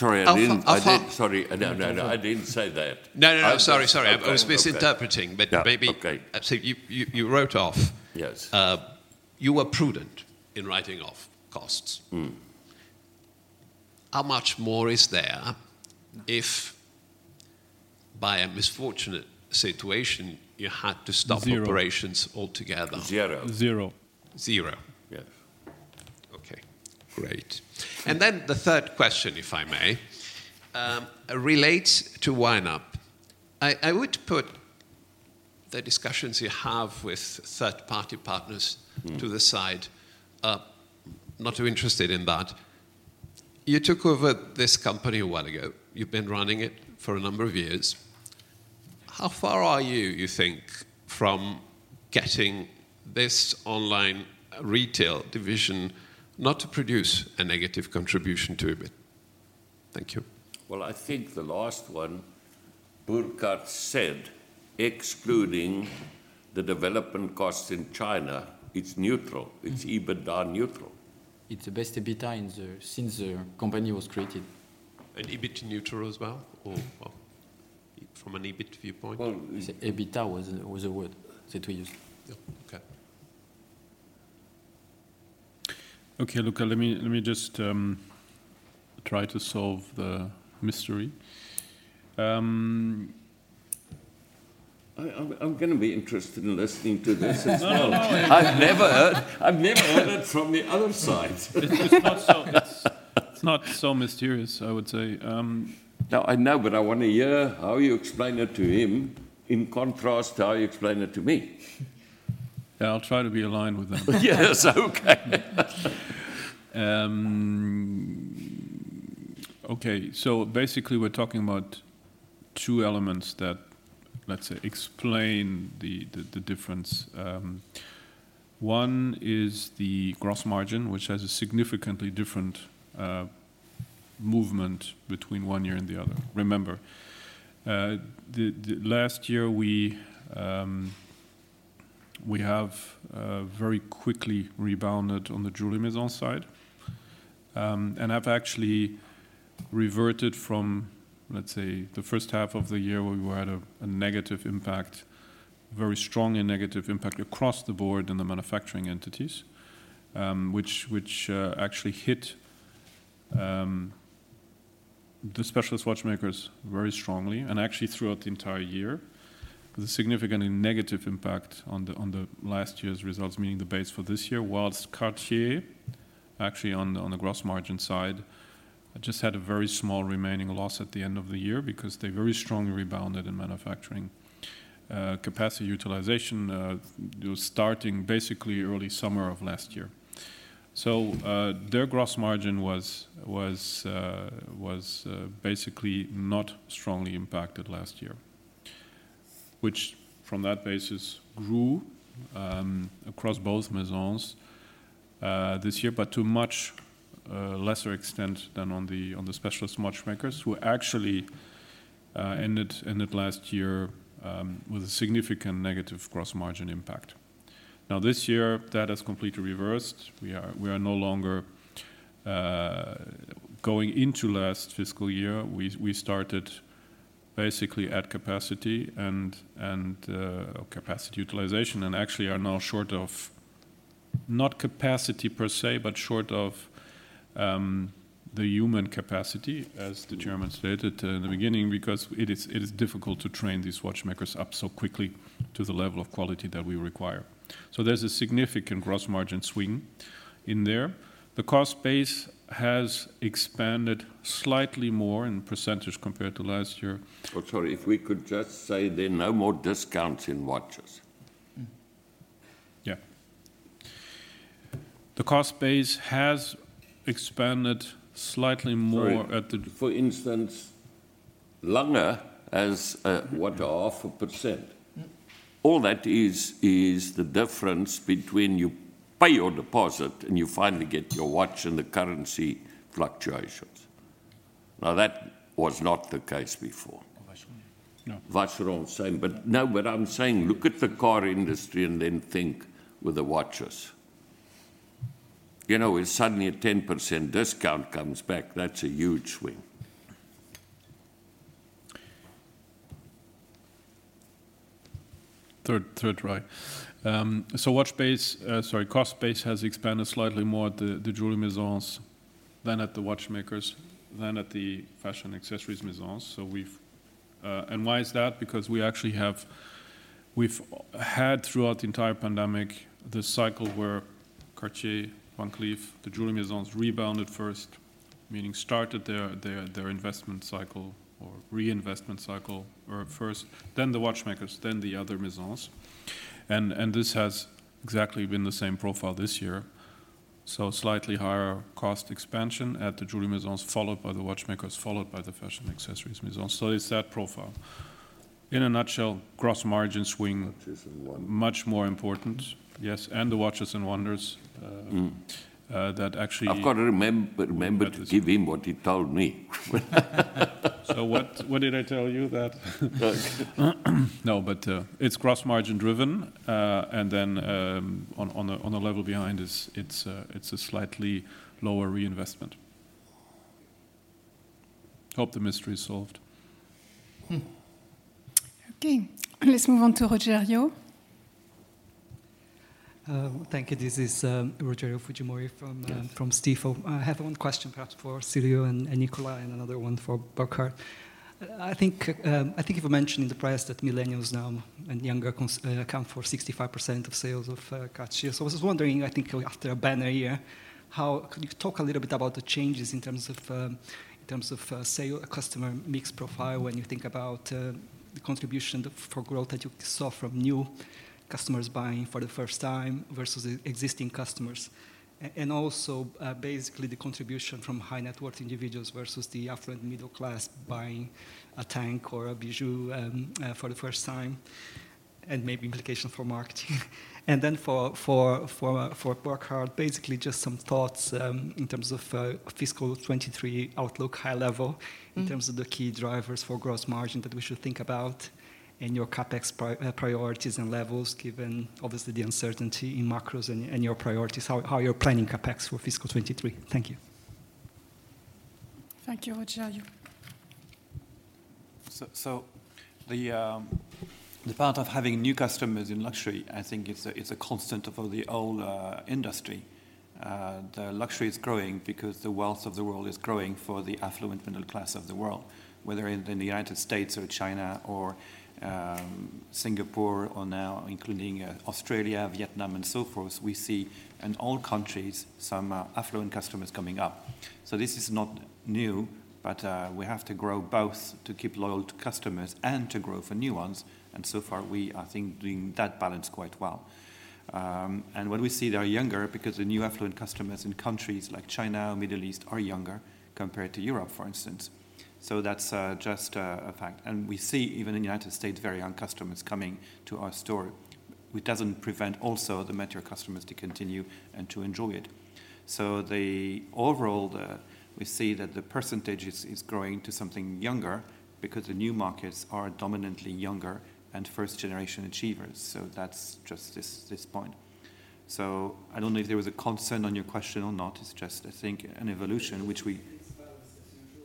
done. Sorry, I didn't— How far— Sorry, no, no, I didn't say that. No, no. Sorry, sorry. I was—I was misinterpreting. Okay. Maybe. Yeah, okay. You wrote off. Yes. You were prudent in writing off costs. How much more is there if by an unfortunate situation you had to stop— Zero. Operations altogether? Zero. Zero. Zero. Yes. Okay, great. The third question, if I may, relates to YNAP. I would put the discussions you have with third-party partners. To the side. Not too interested in that. You took over this company a while ago. You've been running it for a number of years. How far are you think, from getting this online retail division not to produce a negative contribution to EBIT? Thank you. Well, I think the last one, Burkhart said, excluding the development costs in China, it's neutral. It's EBITDA neutral. It's the best EBITDA since the company was created. EBIT neutral as well or from an EBIT viewpoint? Well, EBITDA was the word that we used. Yeah, okay. Okay, Luca, let me just try to solve the mystery. I'm gonna be interested in listening to this as well. I've never heard it from the other side. It's not so mysterious, I would say. No, I know, but I wanna hear how you explain it to him in contrast to how you explain it to me. Yeah, I'll try to be aligned with that. Yes, okay. Okay. Basically, we're talking about two elements that, let's say, explain the difference. One is the gross margin, which has a significantly different movement between one year and the other. Remember, the last year we have very quickly rebounded on the Jewellery Maisons side, and have actually reverted from, let's say, the first half of the year where we had a negative impact, very strongly negative impact across the board in the manufacturing entities, which actually hit the Specialist Watchmakers very strongly, and actually throughout the entire year. The significantly negative impact on the last year's results, meaning the base for this year, while Cartier actually on the gross margin side just had a very small remaining loss at the end of the year because they very strongly rebounded in manufacturing capacity utilization starting basically early summer of last year. Their gross margin was basically not strongly impacted last year, which from that basis grew across both Maisons this year, but to a much lesser extent than on the Specialist Watchmakers, who actually ended last year with a significant negative gross margin impact. Now this year, that has completely reversed. We are no longer—going into last fiscal year, we started basically at capacity and capacity utilization, and actually are now short of not capacity per se, but short of the human capacity, as the chairman stated in the beginning, because it is difficult to train these watchmakers up so quickly to the level of quality that we require. There's a significant gross margin swing in there. The cost base has expanded slightly more in percentage compared to last year. Oh, sorry. If we could just say then "No more discounts in watches." Yeah. The cost base has expanded slightly more at the— Sorry. For instance, Lange has 0.5%? All that is the difference between you pay your deposit and you finally get your watch and the currency fluctuations. Now, that was not the case before. Vacheron, no. Vacheron same. No, I'm saying look at the car industry and then think with the watches. You know, if suddenly a 10% discount comes back, that's a huge swing. Third try. Cost base has expanded slightly more at the Jewellery Maisons than at the Watchmakers than at the Fashion & Accessories Maisons. Why is that? Because we actually have had throughout the entire pandemic this cycle where Cartier, Van Cleef, the Jewellery Maisons rebounded first, meaning started their investment cycle or reinvestment cycle at first, then the Watchmakers, then the other Maisons. This has exactly been the same profile this year. Slightly higher cost expansion at the Jewellery Maisons, followed by the watchmakers, followed by the Fashion & Accessories Maisons. It's that profile. In a nutshell, gross margin swing, much more important. Watches and Wonders. Yes, the Watches and Wonders. That actually— I've got to remember to give him what he told me. It's gross margin driven. On the level behind, it's a slightly lower reinvestment. Hope the mystery is solved. Okay, let's move on to Rogerio. Thank you. This is Rogerio Fujimori from from Stifel. I have one question perhaps for Cyrille and Nicolas, and another one for Burkhart. I think you mentioned in the press that millennials now and younger consumers account for 65% of sales of Cartier. I was just wondering, I think after a banner year, how could you talk a little bit about the changes in terms of sale, customer mix profile when you think about the contribution for growth that you saw from new customers buying for the first time versus existing customers. And also basically the contribution from high-net-worth individuals versus the affluent middle class buying a Tank or a bijoux for the first time, and maybe implications for marketing. For Burkhart, basically just some thoughts in terms of fiscal 2023 outlook, high level. In terms of the key drivers for gross margin that we should think about and your CapEx priorities and levels, given obviously the uncertainty in macros and your priorities, how you're planning CapEx for fiscal 2023. Thank you. Thank you, Rogerio. The part of having new customers in luxury, I think it's a constant of all the old industry. The luxury is growing because the wealth of the world is growing for the affluent middle class of the world. Whether in the United States or China or Singapore or now including Australia, Vietnam, and so forth, we see in all countries some affluent customers coming up. This is not new, but we have to grow both to keep loyal to customers and to grow for new ones. So far we, I think, doing that balance quite well. What we see, they are younger because the new affluent customers in countries like China or Middle East are younger compared to Europe, for instance. That's just a fact. We see even in the United States, very young customers coming to our store. Which doesn't prevent also the mature customers to continue and to enjoy it. Overall, we see that the percentage is growing to something younger because the new markets are dominantly younger and first-generation achievers, so that's just this point. I don't know if there was a concern on your question or not, it's just I think an evolution which we, [inaudible] the contribution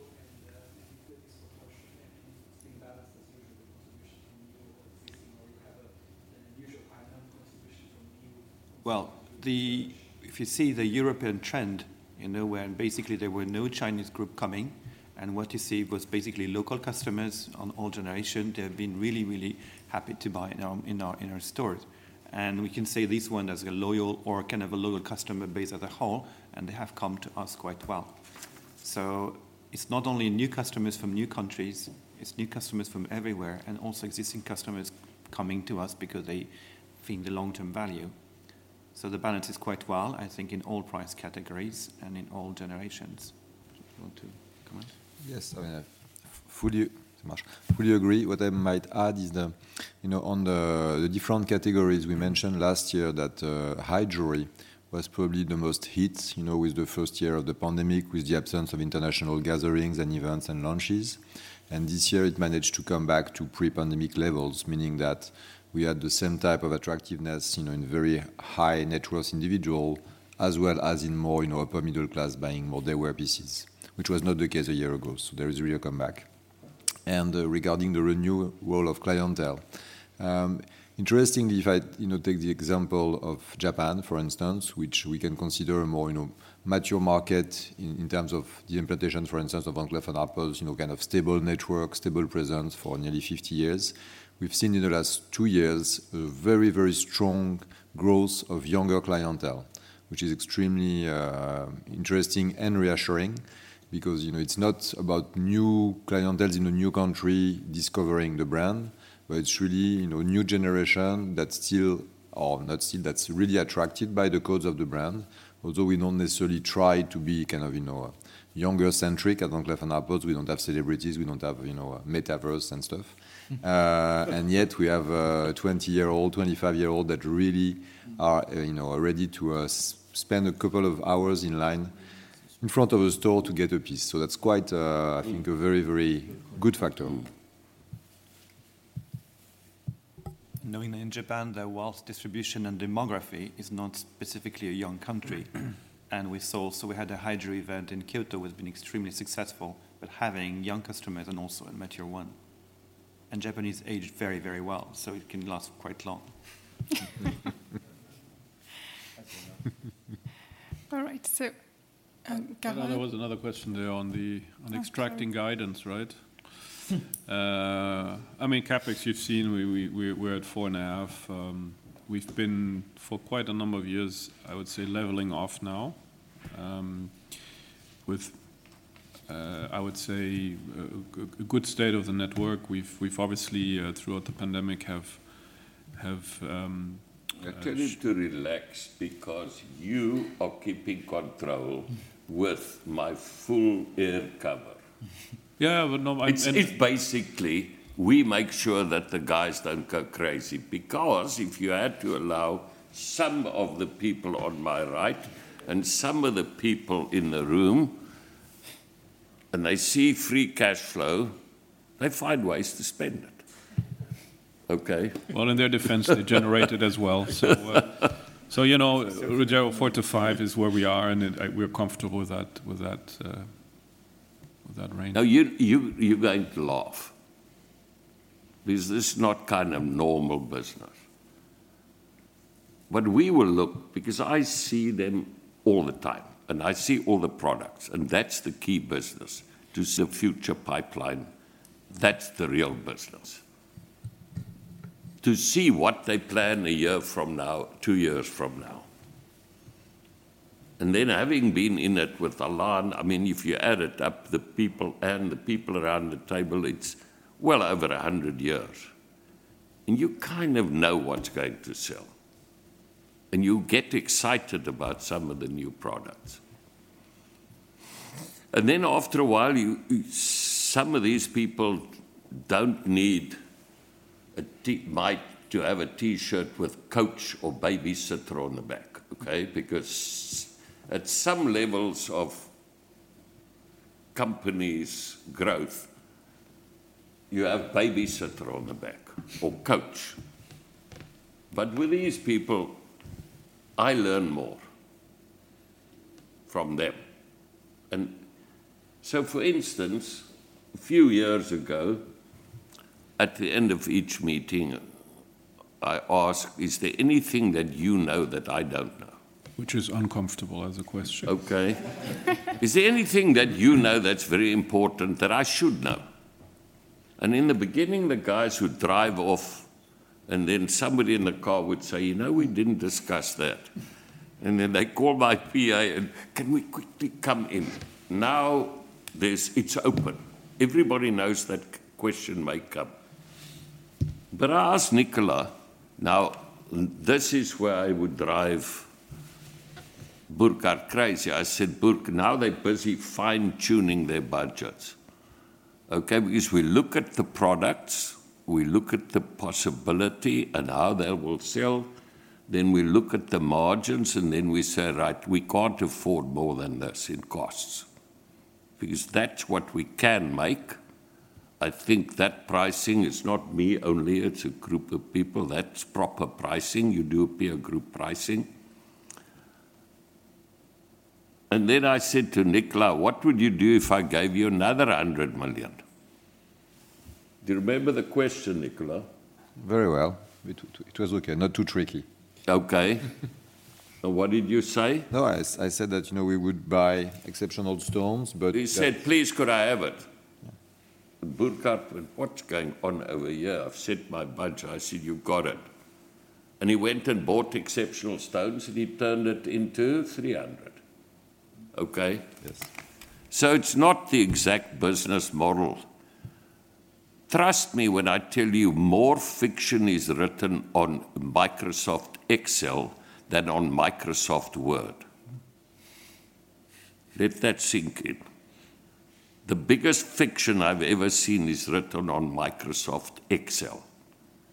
from new or existing or you have an. [inaudible] Well, if you see the European trend, you know, where basically there were no Chinese group coming, and what you see was basically local customers on all generation, they have been really happy to buy in our stores. We can say this one as a loyal or kind of a loyal customer base as a whole, and they have come to us quite well. It's not only new customers from new countries, it's new customers from everywhere, and also existing customers coming to us because they feel the long-term value. The balance is quite well, I think, in all price categories and in all generations. Do you want to comment? Yes. I fully agree. What I might add is on the different categories we mentioned last year that High Jewellery was probably the most hit, you know, with the first year of the pandemic, with the absence of international gatherings and events and launches. This year it managed to come back to pre-pandemic levels, meaning that we had the same type of attractiveness, you know, in very high-net-worth individual, as well as in more, you know, upper middle class buying more day wear pieces. Which was not the case a year ago, so there is a real comeback. Regarding the new role of clientele, interestingly, if I, you know, take the example of Japan, for instance, which we can consider a more, you know, mature market in terms of the implantation, for instance, of Van Cleef & Arpels, you know, kind of stable network, stable presence for nearly 50 years. We've seen in the last two years a very, very strong growth of younger clientele, which is extremely interesting and reassuring because, you know, it's not about new clienteles in a new country discovering the brand, but it's really, you know, new generation that's really attracted by the codes of the brand. Although we don't necessarily try to be kind of, you know, younger-centric at Van Cleef & Arpels. We don't have celebrities, we don't have, you know, metaverse and stuff. Yet we have 20-year-olds, 25-year-olds that really are, you know, are ready to spend a couple of hours in line in front of a store to get a piece. That's quite, I think a very, very good factor. Knowing that in Japan, their wealth distribution and demography is not specifically a young country. We saw, we had a High Jewellery event in Kyoto which has been extremely successful, but having young customers and also a mature one. Japanese age very, very well, it can last quite long. All right. Carole. There was another question there on the— Oh, sorry. On extracting guidance, right? I mean, CapEx you've seen, we're at 4.5%. We've been for quite a number of years, I would say, leveling off now, with I would say a good state of the network. We've obviously throughout the pandemic have— I tell you to relax because you are keeping control with my full air cover. Yeah, but no, I— It's basically we make sure that the guys don't go crazy, because if you had to allow some of the people on my right and some of the people in the room, and they see free cash flow, they find ways to spend it. Okay? Well, in their defense, they generate it as well. You know, 4%-5% is where we are, and we're comfortable with that range. Now, you're going to laugh because this is not kind of normal business. We will look because I see them all the time and I see all the products, and that's the key business, to see the future pipelinehat's the real business. To see what they plan a year from now, two years from now. Then having been in it with Alain, I mean, if you add it up, the people around the table, it's well over 100 years. You kind of know what's going to sell, and you get excited about some of the new products. Then after a while, some of these people don't need to have a T-shirt with Coach or babysitter on the back. Okay. Because at some levels of company's growth, you have babysitter on the back or Coach. With these people, I learn more from them. For instance, a few years ago, at the end of each meeting, I ask, "Is there anything that you know that I don't know?" Which is uncomfortable as a question. Okay. "Is there anything that you know that's very important that I should know?" In the beginning, the guys would drive off, and then somebody in the car would say, "You know, we didn't discuss that." Then they call my PA, and, "Can we quickly come in?" Now there's, it's open. Everybody knows that question may come. I ask Nicolas, now this is where I would drive Burkhart crazy. I said, "Burk, now they're busy fine-tuning their budgets." Okay? Because we look at the products, we look at the possibility and how they will sell, then we look at the margins, and then we say, "Right, we can't afford more than this in costs." Because that's what we can make. I think that pricing is not me only, it's a group of people. That's proper pricing. You do peer group pricing. I said to Nicolas, "What would you do if I gave you another 100 million?" Do you remember the question, Nicolas? Very well. It was okay. Not too tricky. Okay. What did you say? No, I said that, you know, we would buy exceptional stones, but— He said, "Please, could I have it?" Yeah. Burkhart went, "What's going on over here? I've set my budget." I said, "You've got it." And he went and bought exceptional stones, and he turned it into 300. Okay? Yes. It's not the exact business model. Trust me when I tell you more fiction is written on Microsoft Excel than on Microsoft Word. Let that sink in. The biggest fiction I've ever seen is written on Microsoft Excel.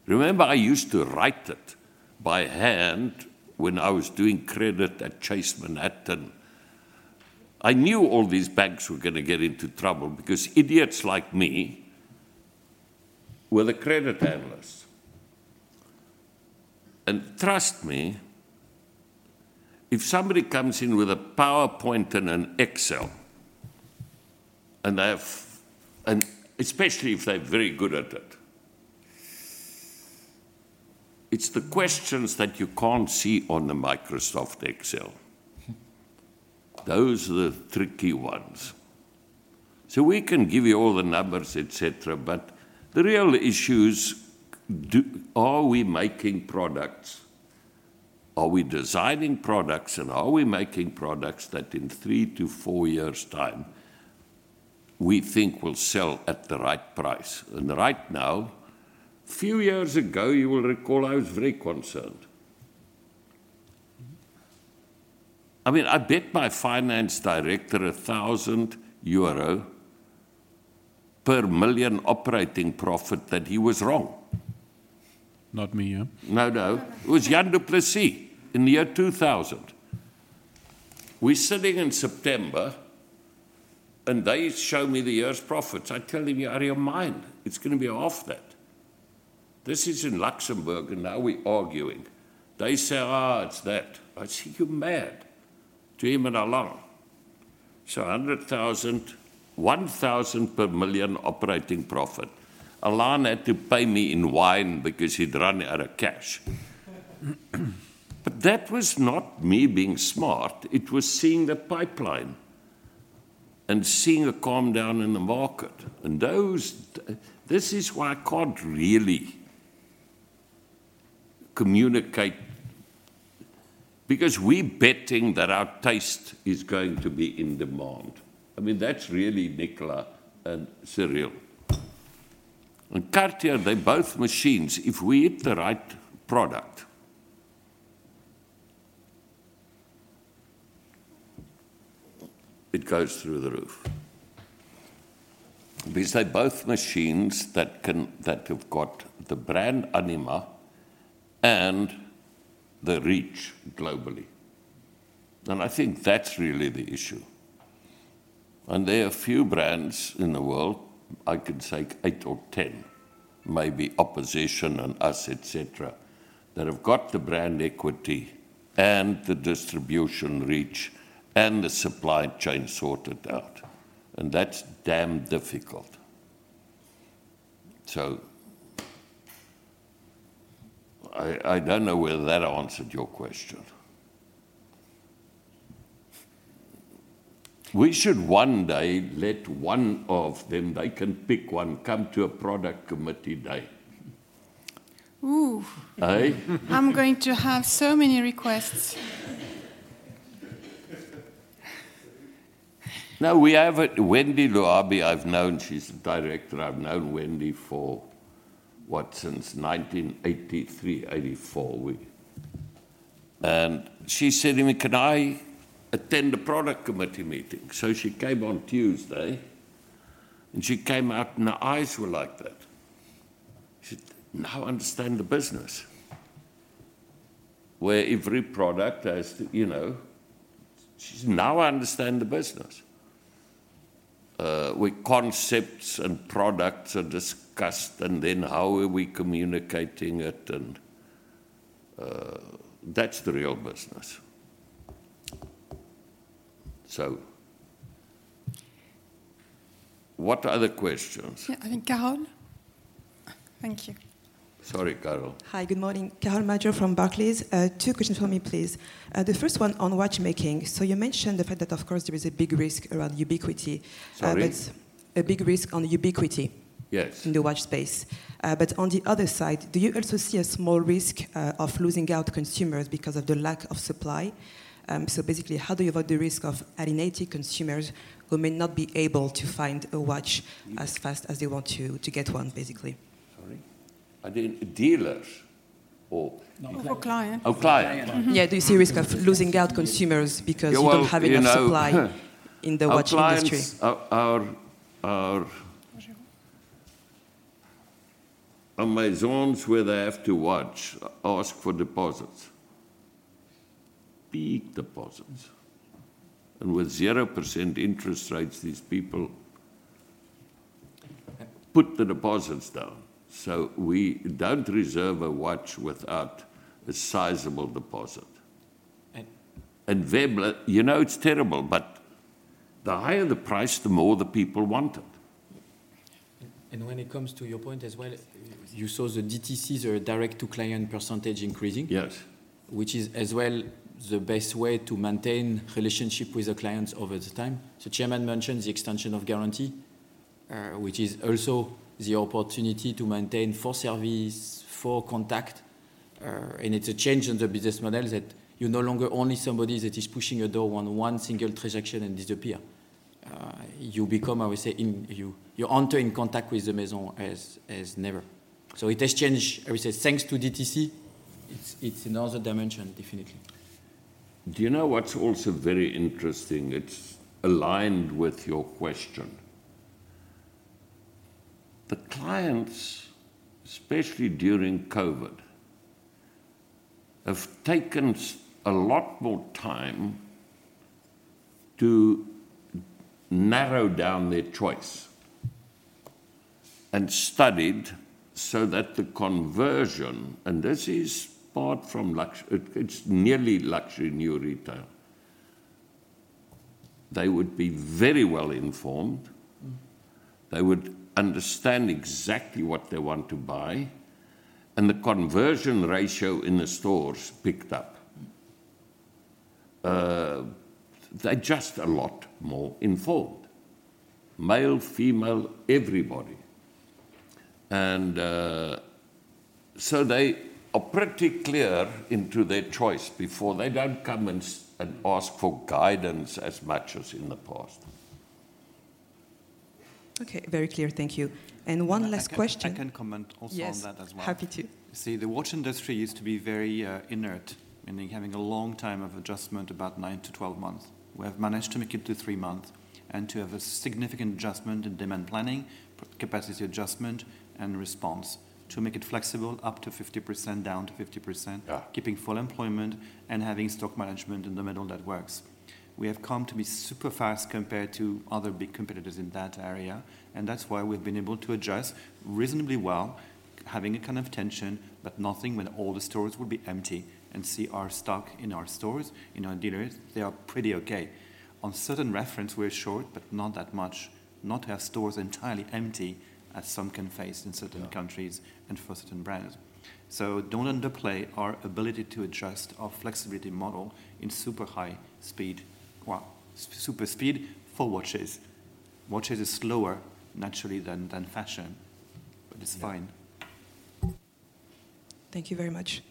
Remember I used to write it by hand when I was doing credit at Chase Manhattan. I knew all these banks were gonna get into trouble because idiots like me were the credit analysts. Trust me, if somebody comes in with a PowerPoint and an Excel, and they have, and especially if they're very good at it. It's the questions that you can't see on the Microsoft Excel. Those are the tricky ones. We can give you all the numbers, et cetera, but the real issue is are we making products? Are we designing products, and are we making products that in three to four years' time we think will sell at the right price? Right now, few years ago, you will recall I was very concerned. I mean, I bet my finance director 1,000 euro per million operating profit that he was wrong. Not me, ja. No, no. It was Jan du Plessis in the year 2000. We're sitting in September, and they show me the year's profits. I tell him, "You're out of your mind. It's gonna be half that." This is in Luxembourg, and now we're arguing. They say, "Ah, it's that." I say, "You're mad," to him and Alain. So 1,000 per million operating profit. Alain had to pay me in wine because he'd run out of cash. That was not me being smart, it was seeing the pipeline and seeing a calm down in the market. Those, this is why I can't really communicate because we're betting that our taste is going to be in demand. I mean, that's really Nicolas and Cyrille. Cartier, they're both machines. If we have the right product, it goes through the roof. Because they're both machines that have got the brand anima and the reach globally. I think that's really the issue. There are few brands in the world, I can say 8 or 10, maybe opposition and us, et cetera, that have got the brand equity and the distribution reach and the supply chain sorted out, and that's damn difficult. I don't know whether that answered your question. We should one day let one of them, they can pick one, come to a product committee day. Ooh. Eh? I'm going to have so many requests. No, we have Wendy Luhabe. I've known her. She's a director. I've known Wendy for, what, since 1983, 1984. She said to me, "Can I attend a product committee meeting?" She came on Tuesday, and she came out and her eyes were like that. She said, "Now I understand the business." Where every product has to you know. She said, "Now I understand the business." Where concepts and products are discussed and then how are we communicating it and that's the real business. What other questions? Yeah, I think, Carole. Thank you. Sorry, Carole Madjo. Hi, good morning. Carole Madjo from Barclays. Two questions from me, please. The first one on watchmaking. You mentioned the fact that, of course, there is a big risk around ubiquity, but— Sorry? A big risk on ubiquity in the watch space. On the other side, do you also see a small risk of losing out consumers because of the lack of supply? Basically, how do you avoid the risk of alienating consumers who may not be able to find a watch as fast as they want to get one, basically? Sorry? I mean, dealers or— Number of clients Of clients. Yeah. Mm-hmm. Yeah, do you see risk of losing out consumers because— Well, you know— You don't have enough supply in the watch industry? Our clients, our Maisons where they have to watch, ask for deposits, big deposits. With 0% interest rates, these people put the deposits down. We don't reserve a watch without a sizable deposit. You know, it's terrible, but the higher the price, the more the people want it. When it comes to your point as well, you saw the DTCs, or direct-to-client percentage increasing. Yes. Which is as well the best way to maintain relationship with the clients over time. The Chairman mentioned the extension of guarantee, which is also the opportunity to maintain for service, for contact, and it's a change in the business model that you're no longer only somebody that is pushing a door on one single transaction and disappear. You become, I would say, you enter in contact with the Maison as never. It has changed, I would say, thanks to DTC. It's another dimension, definitely. Do you know what's also very interesting? It's aligned with your question. The clients, especially during COVID, have taken a lot more time to narrow down their choice and studied so that the conversion, and this is a part of Luxury New Retail. They would be very well-informed. They would understand exactly what they want to buy, and the conversion ratio in the stores picked up. They're just a lot more informed, male, female, everybody. They are pretty clear in their choice before. They don't come and ask for guidance as much as in the past. Okay. Very clear. Thank you. One last question. I can comment also on that as well. Yes. Happy to. See, the watch industry used to be very inert, meaning having a long time of adjustment, about nine to 12 months. We have managed to make it to three months, and to have a significant adjustment in demand planning, capacity adjustment, and response to make it flexible up to 50%, down to 50%. Yeah. Keeping full employment and having stock management in the middle that works. We have come to be super fast compared to other big competitors in that area, and that's why we've been able to adjust reasonably well, having a kind of tension, but nothing when all the stores would be empty and see our stock in our stores, in our dealers, they are pretty okay. On certain reference, we're short, but not that much, not have stores entirely empty as some can face in certain countries. And for certain brands. Don't underplay our ability to adjust our flexibility model in super high speed, well, super speed for watches. Watches is slower naturally than fashion, but it's fine. Thank you very much.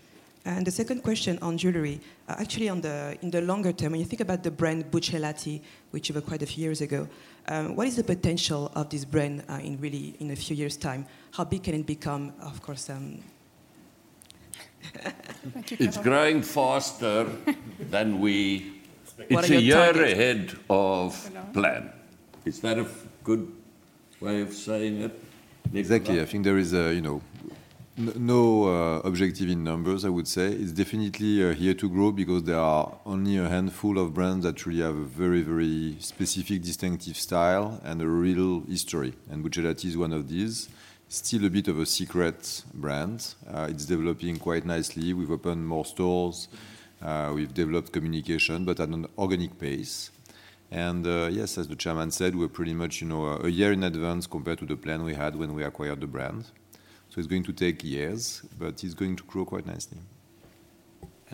The second question on jewellery, actually, in the longer term, when you think about the brand Buccellati, which you bought quite a few years ago, what is the potential of this brand, in really, in a few years' time? How big can it become, of course, thank you. It's growing faster than we— What are your targets? It's a year ahead of plan. Is that a good way of saying it, Nicolas? Exactly. I think there is a, you know, no objective in numbers, I would say. It's definitely here to grow because there are only a handful of brands that really have a very, very specific distinctive style and a real history, and Buccellati is one of these. Still a bit of a secret brand. It's developing quite nicely. We've opened more stores, we've developed communication, but at an organic pace. Yes, as the Chairman said, we're pretty much, you know, a year in advance compared to the plan we had when we acquired the brand. It's going to take years, but it's going to grow quite nicely.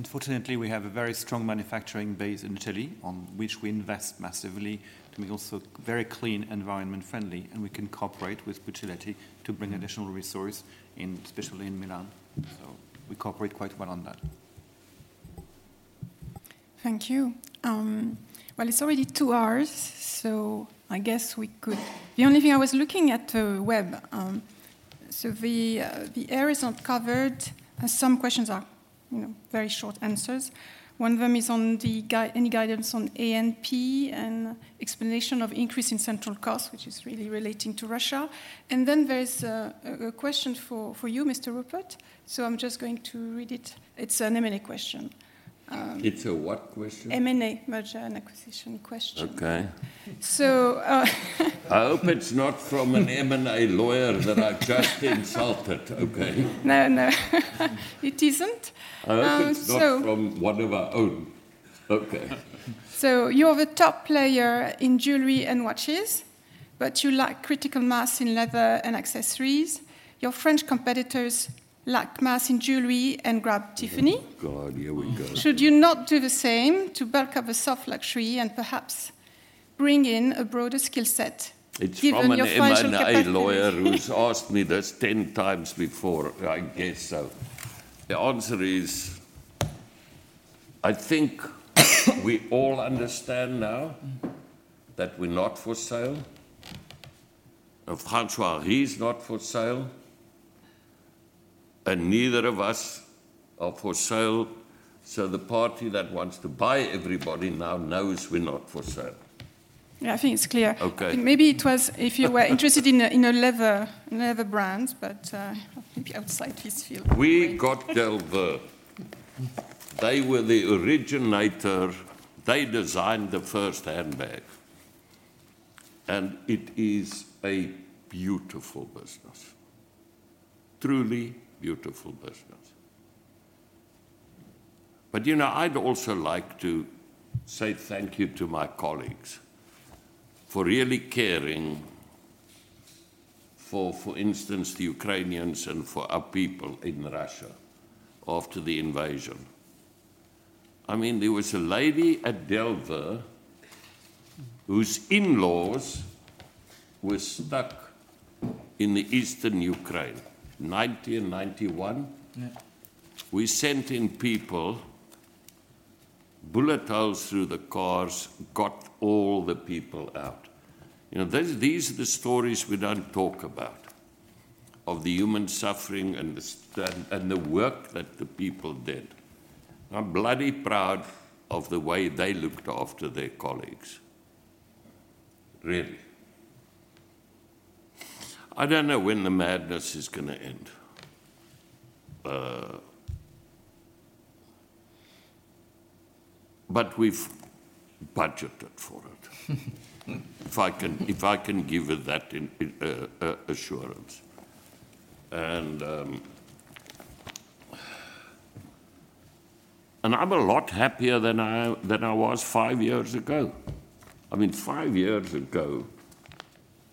Fortunately, we have a very strong manufacturing base in Italy, on which we invest massively to be also very clean, environmentally friendly, and we can cooperate with Buccellati to bring additional resource in, especially in Milan. We cooperate quite well on that. Thank you. Well, it's already two hours, so I guess we could. The only thing I was looking at, web, so the areas not covered, some questions are, you know, very short answers. One of them is any guidance on YNAP and explanation of increase in central cost, which is really relating to China. Then there is a question for you, Mr. Rupert, so I'm just going to read it. It's an M&A question. It's a what question? M&A, merger and acquisition question. Okay. So, uh— I hope it's not from an M&A lawyer that I just insulted, okay? No, no. It isn't. I hope it's not from one of our own. Okay. You're the top player in jewellery and watches, but you lack critical mass in leather and accessories. Your French competitors lack mass in jewellery and grabbed Tiffany. Oh, God, here we go. Should you not do the same to bulk up the soft luxury and perhaps bring in a broader skill set, given your financial capacity? It's from an M&A lawyer who's asked me this 10 times before. I guess so. The answer is I think we all understand now that we're not for sale, and François, he's not for sale, and neither of us are for sale. The party that wants to buy everybody now knows we're not for sale. Yeah, I think it's clear. Okay. Maybe it was if you were interested in a leather brand, but maybe outside please feel free. We got Delvaux. They were the originator. They designed the first handbag, and it is a beautiful business. Truly beautiful business. You know, I'd also like to say thank you to my colleagues for really caring for instance, the Ukrainians and for our people in China after the invasion. I mean, there was a lady at Delvaux whose in-laws were stuck in the Eastern Ukraine, 1990 and 1991. We sent in people, bullet holes through the cars, got all the people out. You know, these are the stories we don't talk about, of the human suffering and the work that the people did. I'm bloody proud of the way they looked after their colleagues, really. I don't know when the madness is gonna end. We've budgeted for it. If I can give you that in assurance. I'm a lot happier than I was five years ago. I mean, five years ago,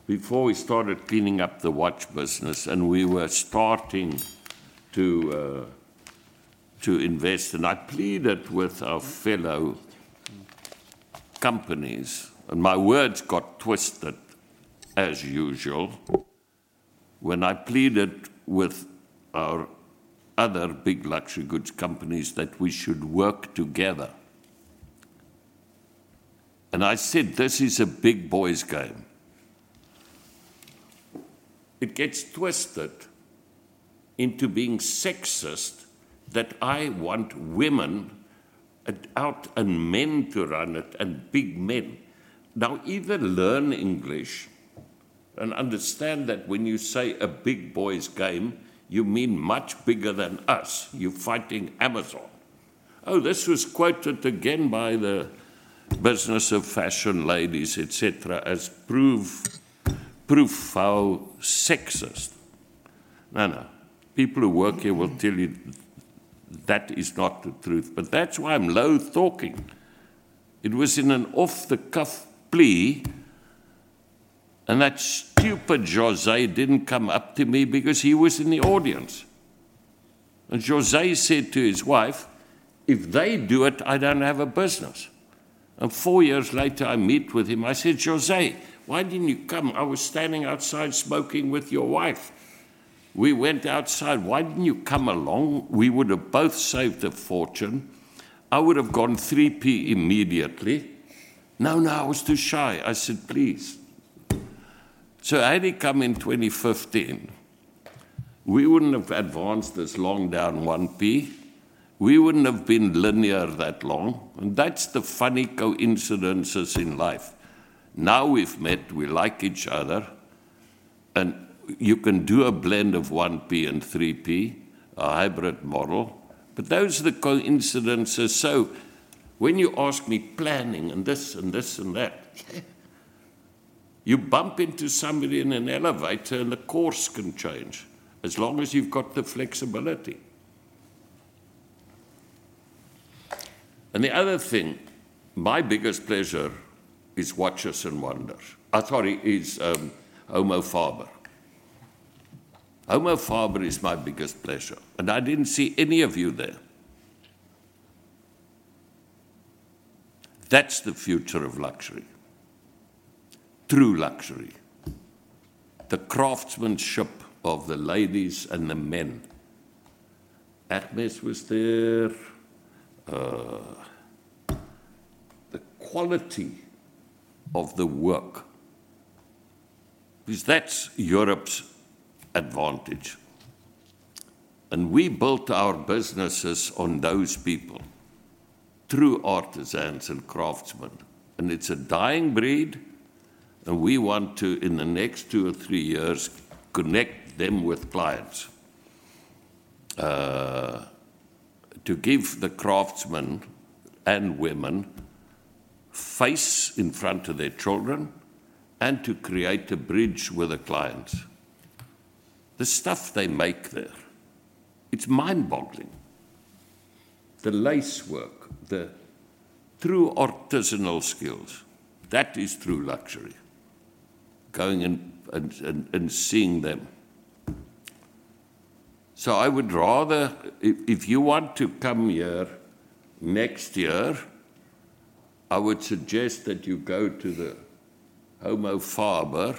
before we started cleaning up the watch business, and we were starting to invest, and I pleaded with our fellow companies, and my words got twisted, as usual, when I pleaded with our other big luxury goods companies that we should work together. I said, "This is a big boy's game." It gets twisted into being sexist that I want women out and men to run it, and big men. Now either learn English and understand that when you say "a big boy's game," you mean much bigger than us. You're fighting Amazon. Oh, this was quoted again by The Business of Fashion ladies, et cetera, as proof how sexist. No, no. People who work here will tell you that is not the truth, but that's why I'm loath talking. It was in an off-the-cuff plea, and that stupid José didn't come up to me because he was in the audience. José said to his wife, "If they do it, I don't have a business." Four years later, I meet with him. I said, "José, why didn't you come? I was standing outside smoking with your wife. We went outside. Why didn't you come along? We would have both saved a fortune. I would have gone 3P immediately." "No, no, I was too shy." I said, "Please." Had he come in 2015, we wouldn't have advanced this long down 1P. We wouldn't have been linear that long, and that's the funny coincidences in life. Now we've met, we like each other, and you can do a blend of 1P and 3P, a hybrid model. But those are the coincidences. When you ask me planning and this and this and that, you bump into somebody in an elevator and the course can change, as long as you've got the flexibility. The other thing, my biggest pleasure is Watches and Wonders. Sorry, is Homo Faber. Homo Faber is my biggest pleasure, and I didn't see any of you there. That's the future of luxury, true luxury. The craftsmanship of the ladies and the men. Hermès was there. The quality of the work, because that's Europe's advantage. We built our businesses on those people, true artisans and craftsmen, and it's a dying breed, and we want to, in the next two or three years, connect them with clients. To give the craftsmen and women face in front of their children and to create a bridge with the clients. The stuff they make there, it's mind-boggling. The lace work, the true artisanal skills, that is true luxury, going and seeing them. I would rather, if you want to come here next year, I would suggest that you go to the Homo Faber,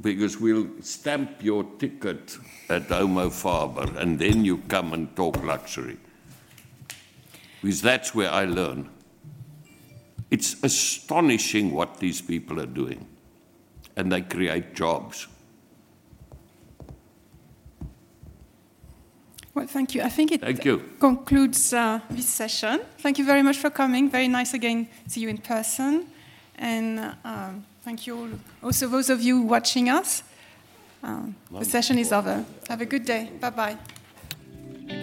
because we'll stamp your ticket at Homo Faber, and then you come and talk luxury, because that's where I learn. It's astonishing what these people are doing, and they create jobs. Well, thank you. Thank you. This concludes this session. Thank you very much for coming. Very nice again to see you in person. Thank you all, also those of you watching us. The session is over. Have a good day. Bye-bye.